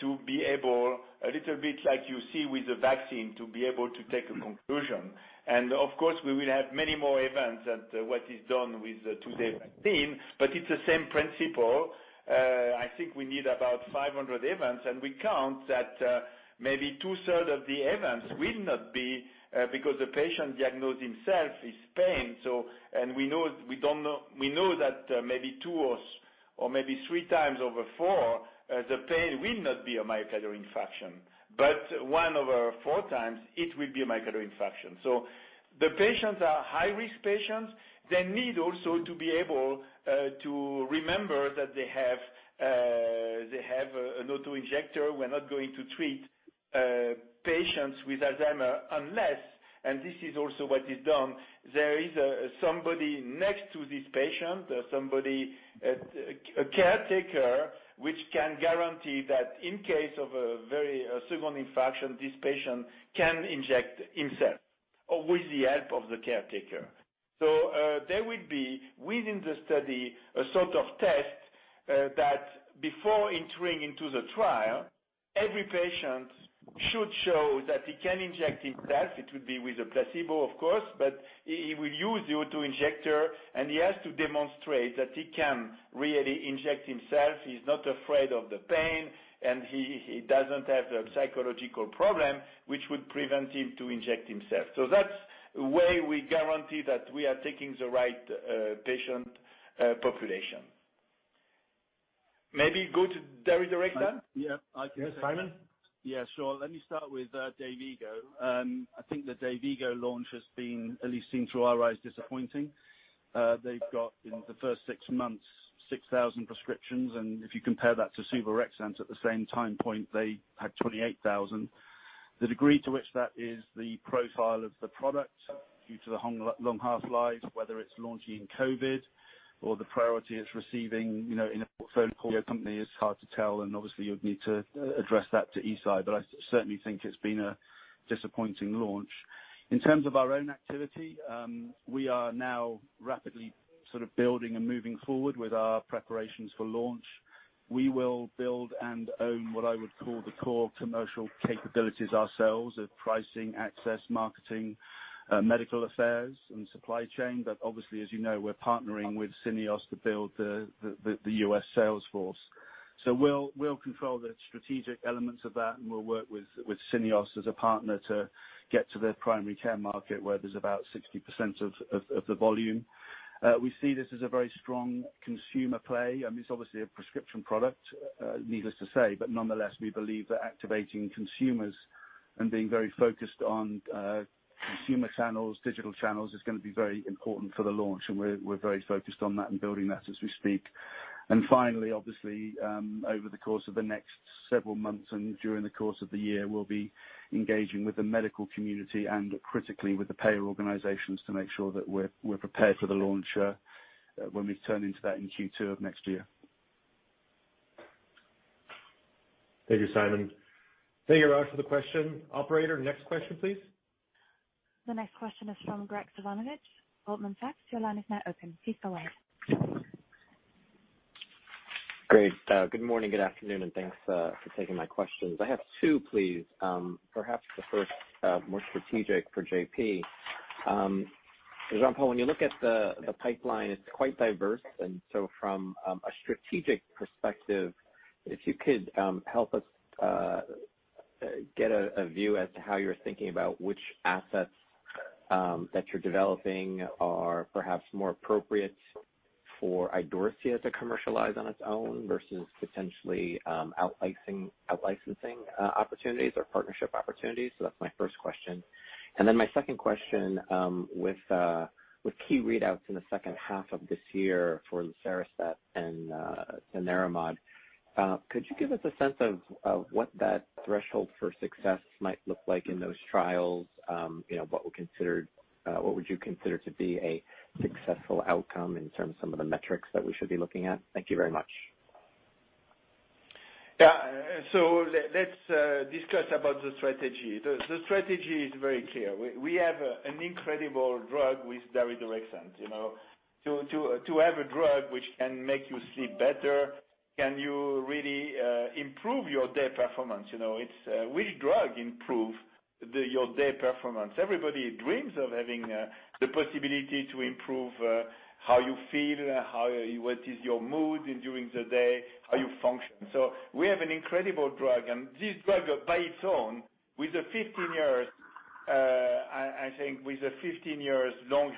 to be able, a little bit like you see with the vaccine, to be able to take a conclusion. Of course, we will have many more events than what is done with today's vaccine, but it's the same principle. I think we need about 500 events, and we count that maybe 2/3 of the events will not be because the patient diagnosed himself his pain. We know that maybe two or maybe three times over four, the pain will not be a myocardial infarction. One over four times, it will be a myocardial infarction. The patients are high-risk patients. They need also to be able to remember that they have an auto-injector. We're not going to treat patients with Alzheimer unless, and this is also what is done, there is somebody next to this patient, a caretaker, which can guarantee that in case of a second infarction, this patient can inject himself or with the help of the caretaker. There will be, within the study, a sort of test that before entering into the trial, every patient should show that he can inject himself. It would be with a placebo, of course, but he will use the auto-injector, and he has to demonstrate that he can really inject himself. He's not afraid of the pain, and he doesn't have a psychological problem which would prevent him to inject himself. That's a way we guarantee that we are taking the right patient population. Maybe go to daridorexant? Yeah. Yes, Simon? Yeah, sure. Let me start with DAYVIGO. The DAYVIGO launch has been, at least seen through our eyes, disappointing. They've got, in the first six months, 6,000 prescriptions. If you compare that to suvorexant at the same time point, they had 28,000. The degree to which that is the profile of the product due to the long half-life, whether it's launching in COVID or the priority it's receiving in a portfolio company is hard to tell. Obviously you'd need to address that to Eisai. I certainly think it's been a disappointing launch. In terms of our own activity, we are now rapidly building and moving forward with our preparations for launch. We will build and own what I would call the core commercial capabilities ourselves of pricing, access, marketing, medical affairs, and supply chain. Obviously, as you know, we're partnering with Syneos to build the U.S. sales force. We'll control the strategic elements of that, and we'll work with Syneos as a partner to get to the primary care market where there's about 60% of the volume. We see this as a very strong consumer play. It's obviously a prescription product, needless to say, but nonetheless, we believe that activating consumers and being very focused on consumer channels, digital channels, is going to be very important for the launch. We're very focused on that and building that as we speak. Finally, obviously, over the course of the next several months and during the course of the year, we'll be engaging with the medical community and critically with the payer organizations to make sure that we're prepared for the launch when we turn into that in Q2 of next year. Thank you, Simon. Thank you, Rajan, for the question. Operator, next question, please. The next question is from Graig Suvannavejh, Goldman Sachs. Your line is now open. Please go ahead. Great. Good morning, good afternoon. Thanks for taking my questions. I have two, please. Perhaps the first, more strategic for J.P. Jean-Paul, when you look at the pipeline, it's quite diverse. From a strategic perspective, if you could help us get a view as to how you're thinking about which assets that you're developing are perhaps more appropriate for Idorsia to commercialize on its own versus potentially out-licensing opportunities or partnership opportunities. That's my first question. My second question, with key readouts in the second half of this year for lucerastat and daridorexant, could you give us a sense of what that threshold for success might look like in those trials? What would you consider to be a successful outcome in terms of some of the metrics that we should be looking at? Thank you very much. Yeah. Let's discuss about the strategy. The strategy is very clear. We have an incredible drug with daridorexant. To have a drug which can make you sleep better, can you really improve your day performance? Which drug improve your day performance? Everybody dreams of having the possibility to improve how you feel, what is your mood during the day, how you function. We have an incredible drug, and this drug by its own, I think with a 15 years long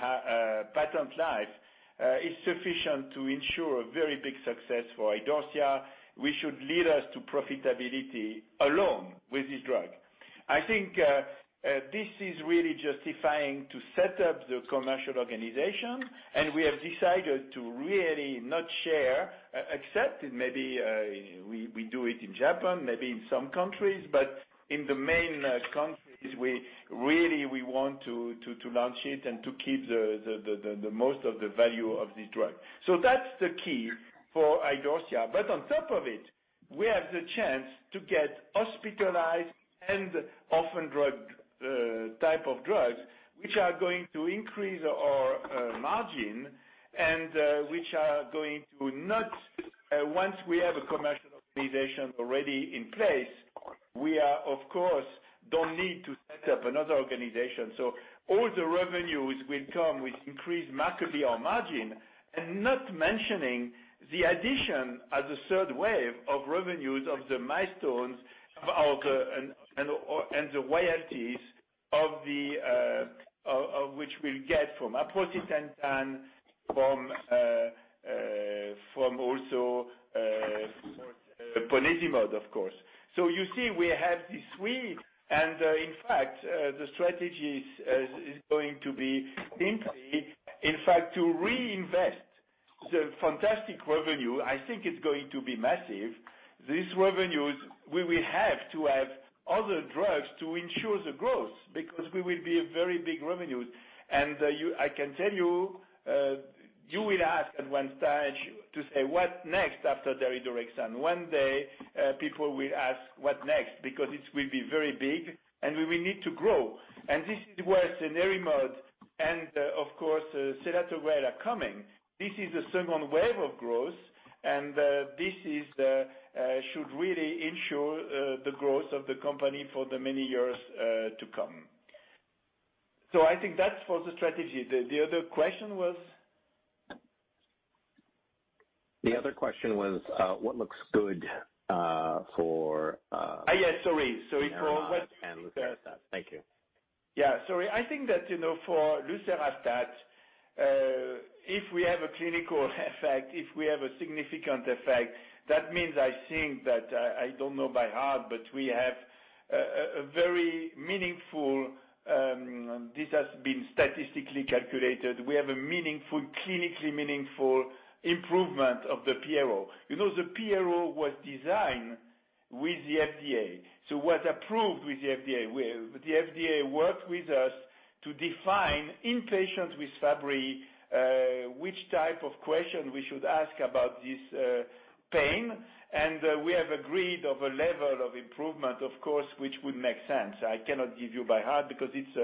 patent life, is sufficient to ensure a very big success for Idorsia, which should lead us to profitability alone with this drug. I think this is really justifying to set up the commercial organization, and we have decided to really not share, except maybe we do it in Japan, maybe in some countries, but in the main countries, really, we want to launch it and to keep the most of the value of this drug. That's the key for Idorsia. On top of it, we have the chance to get hospitalized and often type of drugs, which are going to increase our margin and which are going to not, once we have a commercial organization already in place, we are, of course, don't need to set up another organization. All the revenues will come, which increase markedly our margin, and not mentioning the addition as a third wave of revenues of the milestones and the royalties of which we'll get from aprocitentan, from also ponesimod, of course. You see, we have this wave, and in fact, the strategy is going to be increased. In fact, to reinvest the fantastic revenue, I think it's going to be massive. These revenues, we will have to have other drugs to ensure the growth because we will be a very big revenue. I can tell you will ask at one stage to say, what next after daridorexant? One day, people will ask, what next? Because it will be very big, and we will need to grow. This is where dronedarone and of course, selatogrel are coming. This is the second wave of growth, and this should really ensure the growth of the company for the many years to come. I think that's for the strategy. The other question was? The other question was, what looks good. Yes, sorry. Dronedarone and lucerastat. Thank you. Yeah, sorry. I think that for lucerastat, if we have a clinical effect, if we have a significant effect, that means, I think that, I don't know by heart, but we have a very meaningful. This has been statistically calculated. We have a clinically meaningful improvement of the PRO. The PRO was designed with the FDA, was approved with the FDA. The FDA worked with us to define in patients with Fabry, which type of question we should ask about this pain. We have agreed of a level of improvement, of course, which would make sense. I cannot give you by heart because it's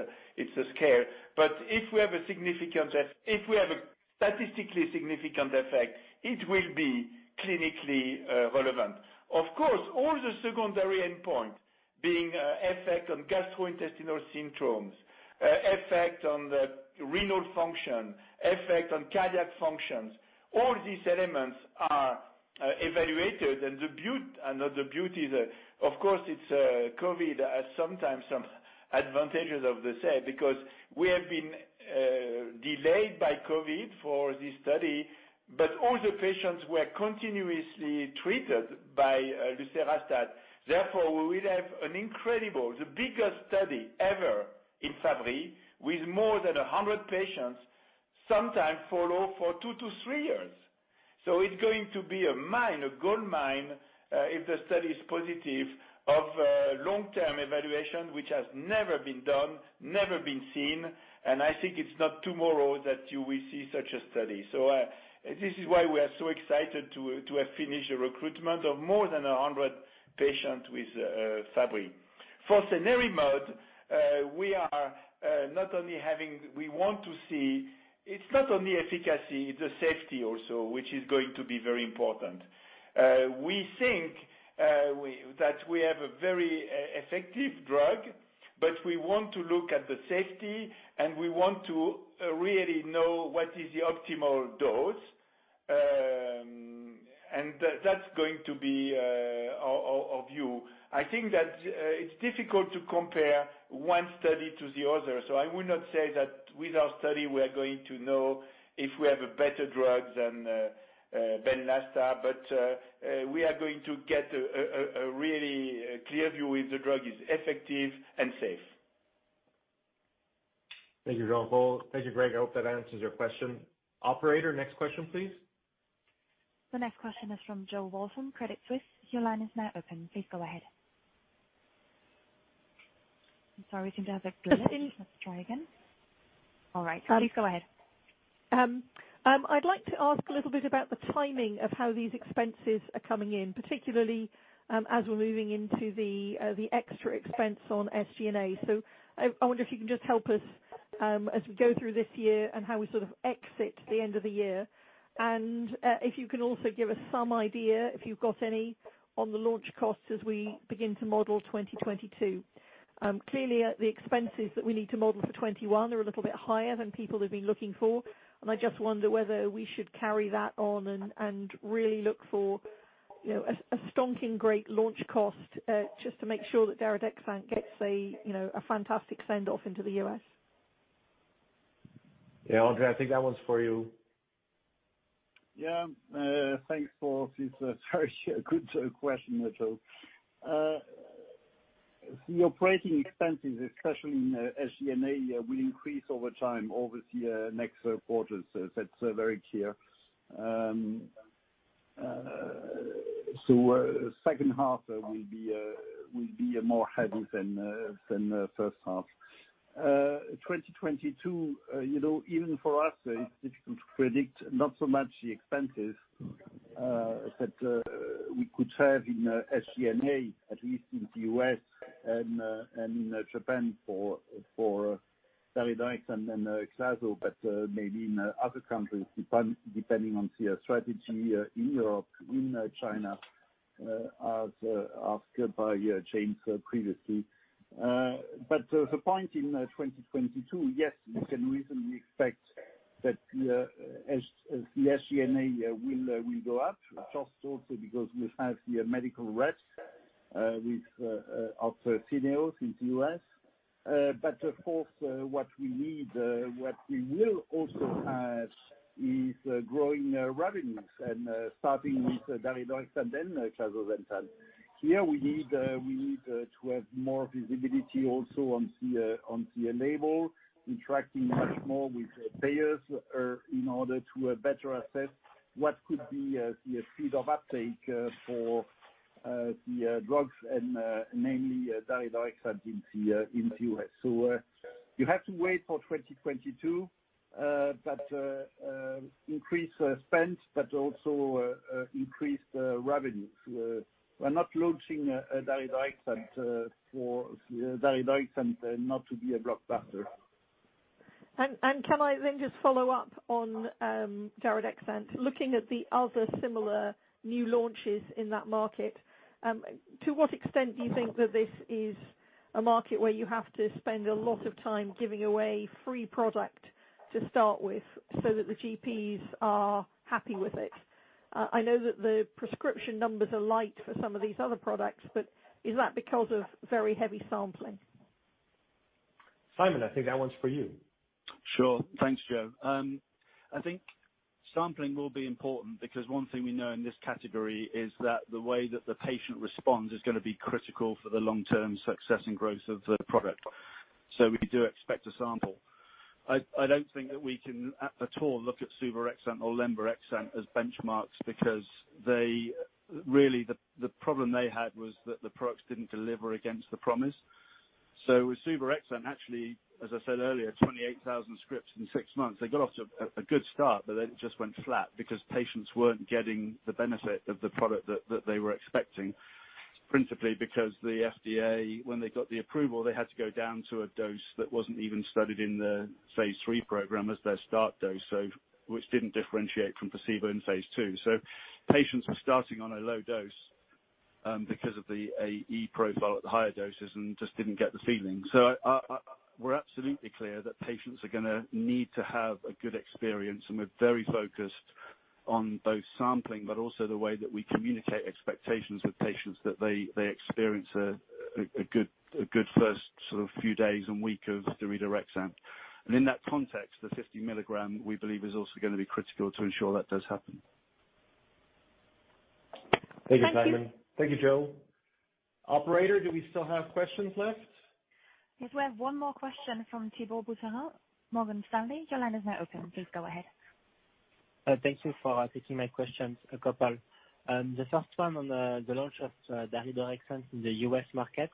a scale. If we have a statistically significant effect, it will be clinically relevant. Of course, all the secondary endpoints, being effect on gastrointestinal symptoms, effect on the renal function, effect on cardiac functions. All these elements are evaluated. The beauty that, of course, it's COVID has sometimes some advantages of this because we have been delayed by COVID for this study, but all the patients were continuously treated by lurasidone. Therefore, we will have an incredible, the biggest study ever in Fabry, with more than 100 patients, sometimes follow for two to three years. It's going to be a mine, a gold mine, if the study is positive, of long-term evaluation, which has never been done, never been seen. I think it's not tomorrow that you will see such a study. This is why we are so excited to have finished a recruitment of more than 100 patients with Fabry. For Stenares, we want to see, it's not only efficacy, it's the safety also, which is going to be very important. We think that we have a very effective drug, but we want to look at the safety, and we want to really know what is the optimal dose. That's going to be our view. I think that it's difficult to compare one study to the other. I would not say that with our study, we are going to know if we have a better drug than BENLYSTA, but we are going to get a really clear view if the drug is effective and safe. Thank you, Jean-Paul. Thank you, Graig. I hope that answers your question. Operator, next question, please. The next question is from Jo Walton, Credit Suisse. Your line is now open. Please go ahead. I'm sorry if you have a glitch. Let's try again. All right. Please go ahead. I'd like to ask a little bit about the timing of how these expenses are coming in, particularly as we're moving into the extra expense on SG&A. I wonder if you can just help us as we go through this year and how we sort of exit the end of the year. If you can also give us some idea, if you've got any, on the launch costs as we begin to model 2022. Clearly, the expenses that we need to model for 2021 are a little bit higher than people have been looking for. I just wonder whether we should carry that on and really look for a stonking great launch cost just to make sure that daridorexant gets a fantastic send-off into the U.S. Yeah, André, I think that one's for you. Thanks for this very good question, Jo. The operating expenses, especially in SG&A, will increase over time, over the next quarters. That's very clear. Second half will be more heavy than first half. 2022, even for us, it's difficult to predict, not so much the expenses that we could have in SG&A, at least in the U.S. and in Japan for daridorexant and then selatogrel, but maybe in other countries, depending on the strategy in Europe, in China, as asked by James previously. The point in 2022, yes, we can reasonably expect that the SG&A will go up, first also because we have the medical reps with our teams in the U.S. Of course, what we need, what we will also have is growing revenues and starting with daridorexant and then selatogrel. Here, we need to have more visibility also on the label, interacting much more with payers in order to better assess what could be the speed of uptake for the drugs and namely daridorexant in the U.S. You have to wait for 2022. Increase spend, but also increase revenue. We're not launching daridorexant not to be a blockbuster. Can I just follow up on daridorexant? Looking at the other similar new launches in that market, to what extent do you think that this is a market where you have to spend a lot of time giving away free product to start with so that the GPs are happy with it? I know that the prescription numbers are light for some of these other products, but is that because of very heavy sampling? Simon, I think that one's for you. Sure. Thanks, Jo. I think sampling will be important because one thing we know in this category is that the way that the patient responds is going to be critical for the long-term success and growth of the product. We do expect to sample. I don't think that we can at all look at suvorexant or lemborexant as benchmarks because really the problem they had was that the products didn't deliver against the promise. With suvorexant, actually, as I said earlier, 28,000 scripts in six months. They got off to a good start, it just went flat because patients weren't getting the benefit of the product that they were expecting, principally because the FDA, when they got the approval, they had to go down to a dose that wasn't even studied in the phase III program as their start dose, which didn't differentiate from placebo in phase II. Patients were starting on a low dose. Because of the AE profile at the higher doses and just didn't get the feeling. We're absolutely clear that patients are going to need to have a good experience, and we're very focused on both sampling, but also the way that we communicate expectations with patients that they experience a good first sort of few days and week of the daridorexant. In that context, the 50 milligram, we believe, is also going to be critical to ensure that does happen. Thank you, Simon. Thank you. Thank you, Jo. Operator, do we still have questions left? Yes, we have one more question from Thibault Boutherin, Morgan Stanley. Your line is now open. Please go ahead. Thank you for taking my questions, a couple. The first one on the launch of daridorexant in the U.S. market.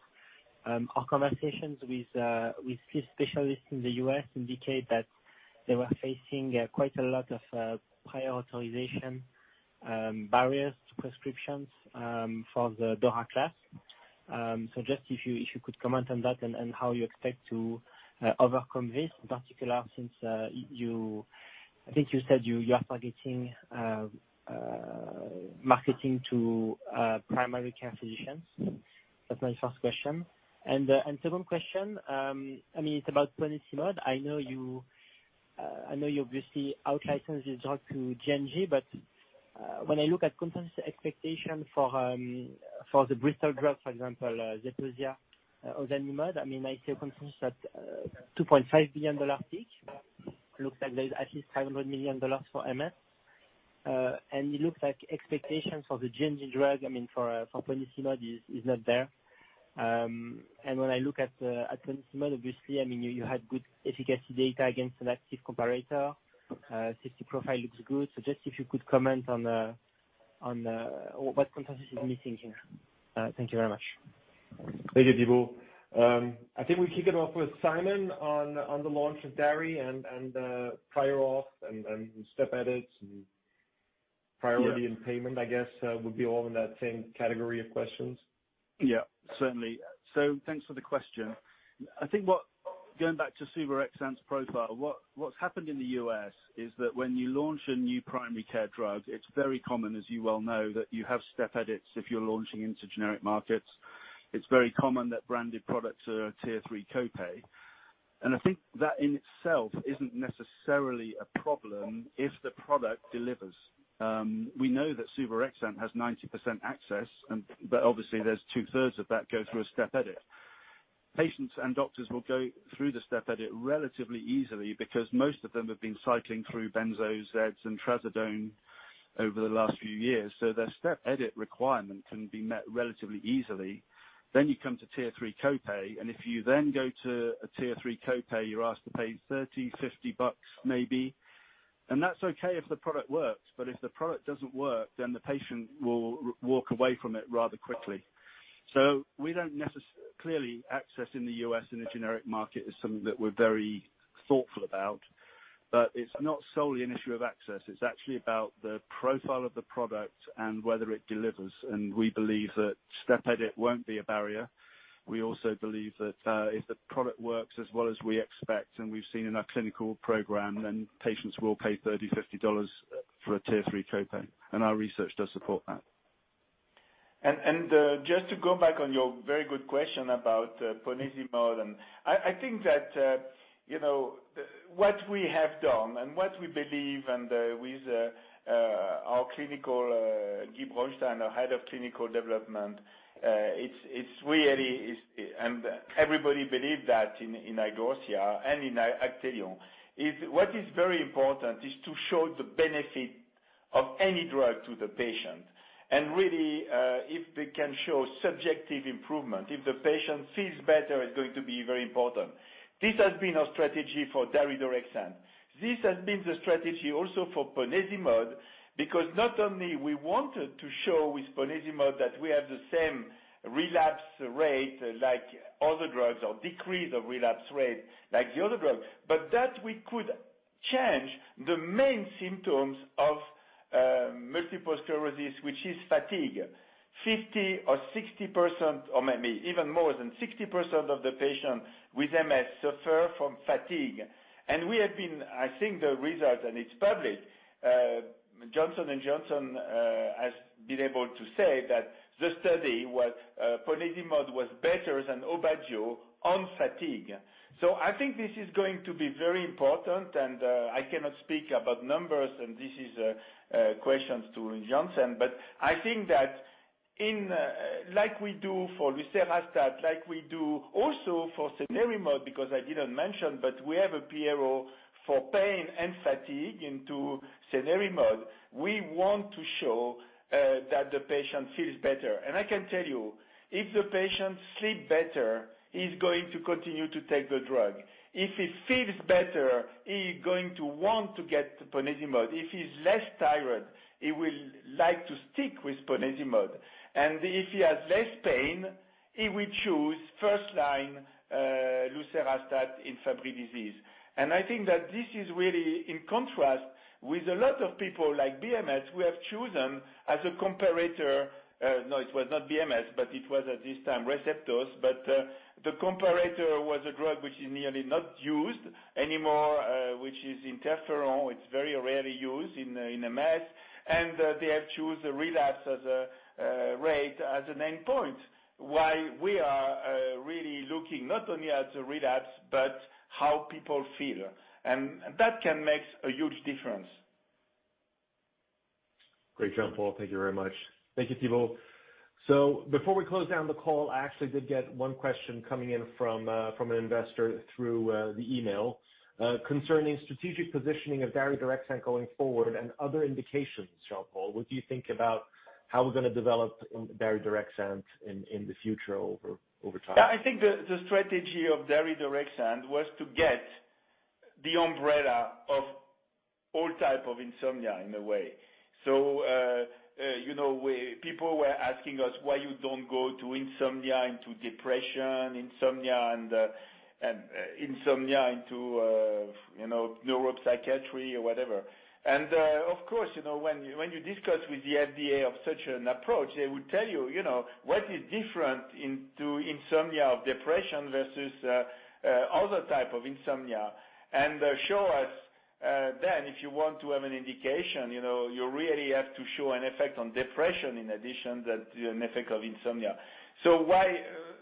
Our conversations with sleep specialists in the U.S. indicate that they were facing quite a lot of prior authorization, barriers to prescriptions for the DORA class. Just if you could comment on that and how you expect to overcome this, in particular since I think you said you are targeting marketing to primary care physicians. That's my first question. The second question, it's about ponesimod. I know you obviously out-licensed this drug to J&J, when I look at consensus expectation for the BMS drug, for example, ZEPOSIA or ozanimod. I see a consensus at CHF 2.5 billion peak. Looks like there's at least CHF 500 million for MS. It looks like expectations for the J&J drug, for ponesimod, is not there. When I look at ponesimod, obviously, you had good efficacy data against an active comparator. Safety profile looks good. Just if you could comment on what consensus is missing here. Thank you very much. Thank you, Thibault. I think we'll kick it off with Simon on the launch of DORA and the prior auth and step edits and priority and payment, I guess, would be all in that same category of questions. Yeah, certainly. Thanks for the question. I think going back to suvorexant's profile, what's happened in the U.S. is that when you launch a new primary care drug, it's very common, as you well know, that you have step edits if you're launching into generic markets. It's very common that branded products are a Tier 3 copay. I think that in itself isn't necessarily a problem if the product delivers. We know that suvorexant has 90% access, but obviously there's 2/3 of that go through a step edit. Patients and doctors will go through the step edit relatively easily because most of them have been cycling through benzos, Z-drugs, and trazodone over the last few years. Their step edit requirement can be met relatively easily. You come to Tier 3 copay, if you then go to a tier 3 copay, you're asked to pay $30, $50 maybe. That's okay if the product works, but if the product doesn't work, then the patient will walk away from it rather quickly. Clearly, access in the U.S. in a generic market is something that we're very thoughtful about, but it's not solely an issue of access. It's actually about the profile of the product and whether it delivers. We believe that step edit won't be a barrier. We also believe that if the product works as well as we expect and we've seen in our clinical program, then patients will pay $30, $50 for a Tier 3 copay. Our research does support that. Just to go back on your very good question about ponesimod, I think that what we have done and what we believe and with our clinical, Guy Braunstein, our Head of Clinical Development, and everybody believe that in Idorsia and in Actelion, is what is very important is to show the benefit of any drug to the patient. Really, if we can show subjective improvement, if the patient feels better, it's going to be very important. This has been our strategy for daridorexant. This has been the strategy also for ponesimod. Not only we wanted to show with ponesimod that we have the same relapse rate like other drugs or decrease of relapse rate like the other drugs. That we could change the main symptoms of multiple sclerosis, which is fatigue. 50% or 60% or maybe even more than 60% of the patient with MS suffer from fatigue. We have been, I think the result, it's public, Johnson & Johnson has been able to say that the study, ponesimod was better than AUBAGIO on fatigue. I think this is going to be very important, I cannot speak about numbers, this is questions to Johnson, I think that like we do for lucerastat, like we do also for cenerimod because I didn't mention, we have a PRO for pain and fatigue into cenerimod. We want to show that the patient feels better. I can tell you, if the patient sleep better, he's going to continue to take the drug. If he feels better, he is going to want to get the ponesimod. If he's less tired, he will like to stick with ponesimod. If he has less pain, he will choose first line lucerastat in Fabry disease. I think that this is really in contrast with a lot of people like BMS, who have chosen as a comparator. It was not BMS, but it was at this time Receptos. The comparator was a drug which is nearly not used anymore, which is interferon. It's very rarely used in MS. They have chosen a relapse as a rate, as a main point. While we are really looking not only at the relapse, but how people feel. That can make a huge difference. Great, Jean-Paul. Thank you very much. Thank you, Thibault. Before we close down the call, I actually did get one question coming in from an investor through the email concerning strategic positioning of daridorexant going forward and other indications, Jean-Paul. What do you think about how we're going to develop daridorexant in the future over time? Yeah, I think the strategy of daridorexant was to get the umbrella of all type of insomnia in a way. People were asking us why you don't go to insomnia into depression, insomnia into neuropsychiatry or whatever. Of course, when you discuss with the FDA of such an approach, they would tell you, what is different into insomnia of depression versus other type of insomnia? Show us if you want to have an indication, you really have to show an effect on depression in addition that an effect of insomnia.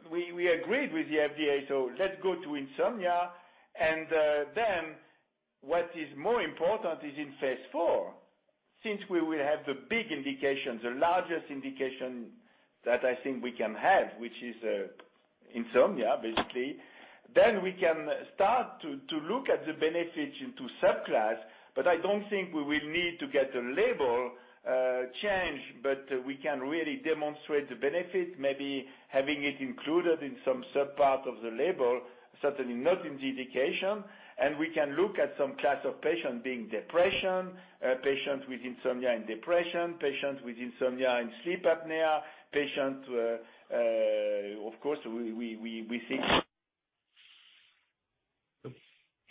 We agreed with the FDA. Let's go to insomnia, what is more important is in phase IV. Since we will have the big indications, the largest indication that I think we can have, which is insomnia, basically, then we can start to look at the benefits into subclass, but I don't think we will need to get a label change. We can really demonstrate the benefit, maybe having it included in some sub-part of the label, certainly not in the indication. We can look at some class of patient being depression, patient with insomnia and depression, patient with insomnia and sleep apnea, patient, of course, we think.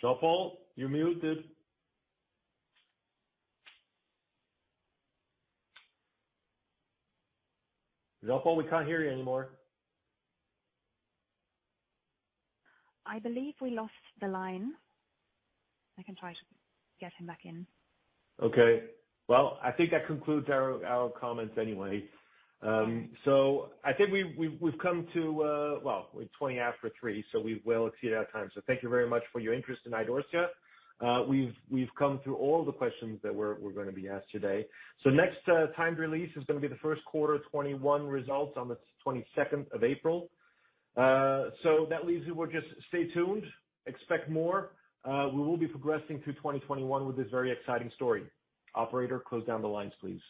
Jean-Paul, you're muted. Jean-Paul, we can't hear you anymore. I believe we lost the line. I can try to get him back in. Okay. Well, I think that concludes our comments anyway. I think we've come to Well, we're 3:20 P.M., we will exceed our time. Thank you very much for your interest in Idorsia. We've come through all the questions that we're going to be asked today. Next timed release is going to be the first quarter 2021 results on the April 22nd. That leaves you with just stay tuned, expect more. We will be progressing through 2021 with this very exciting story. Operator, close down the lines, please.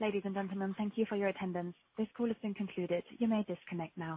Ladies and gentlemen, thank you for your attendance. This call has been concluded. You may disconnect now.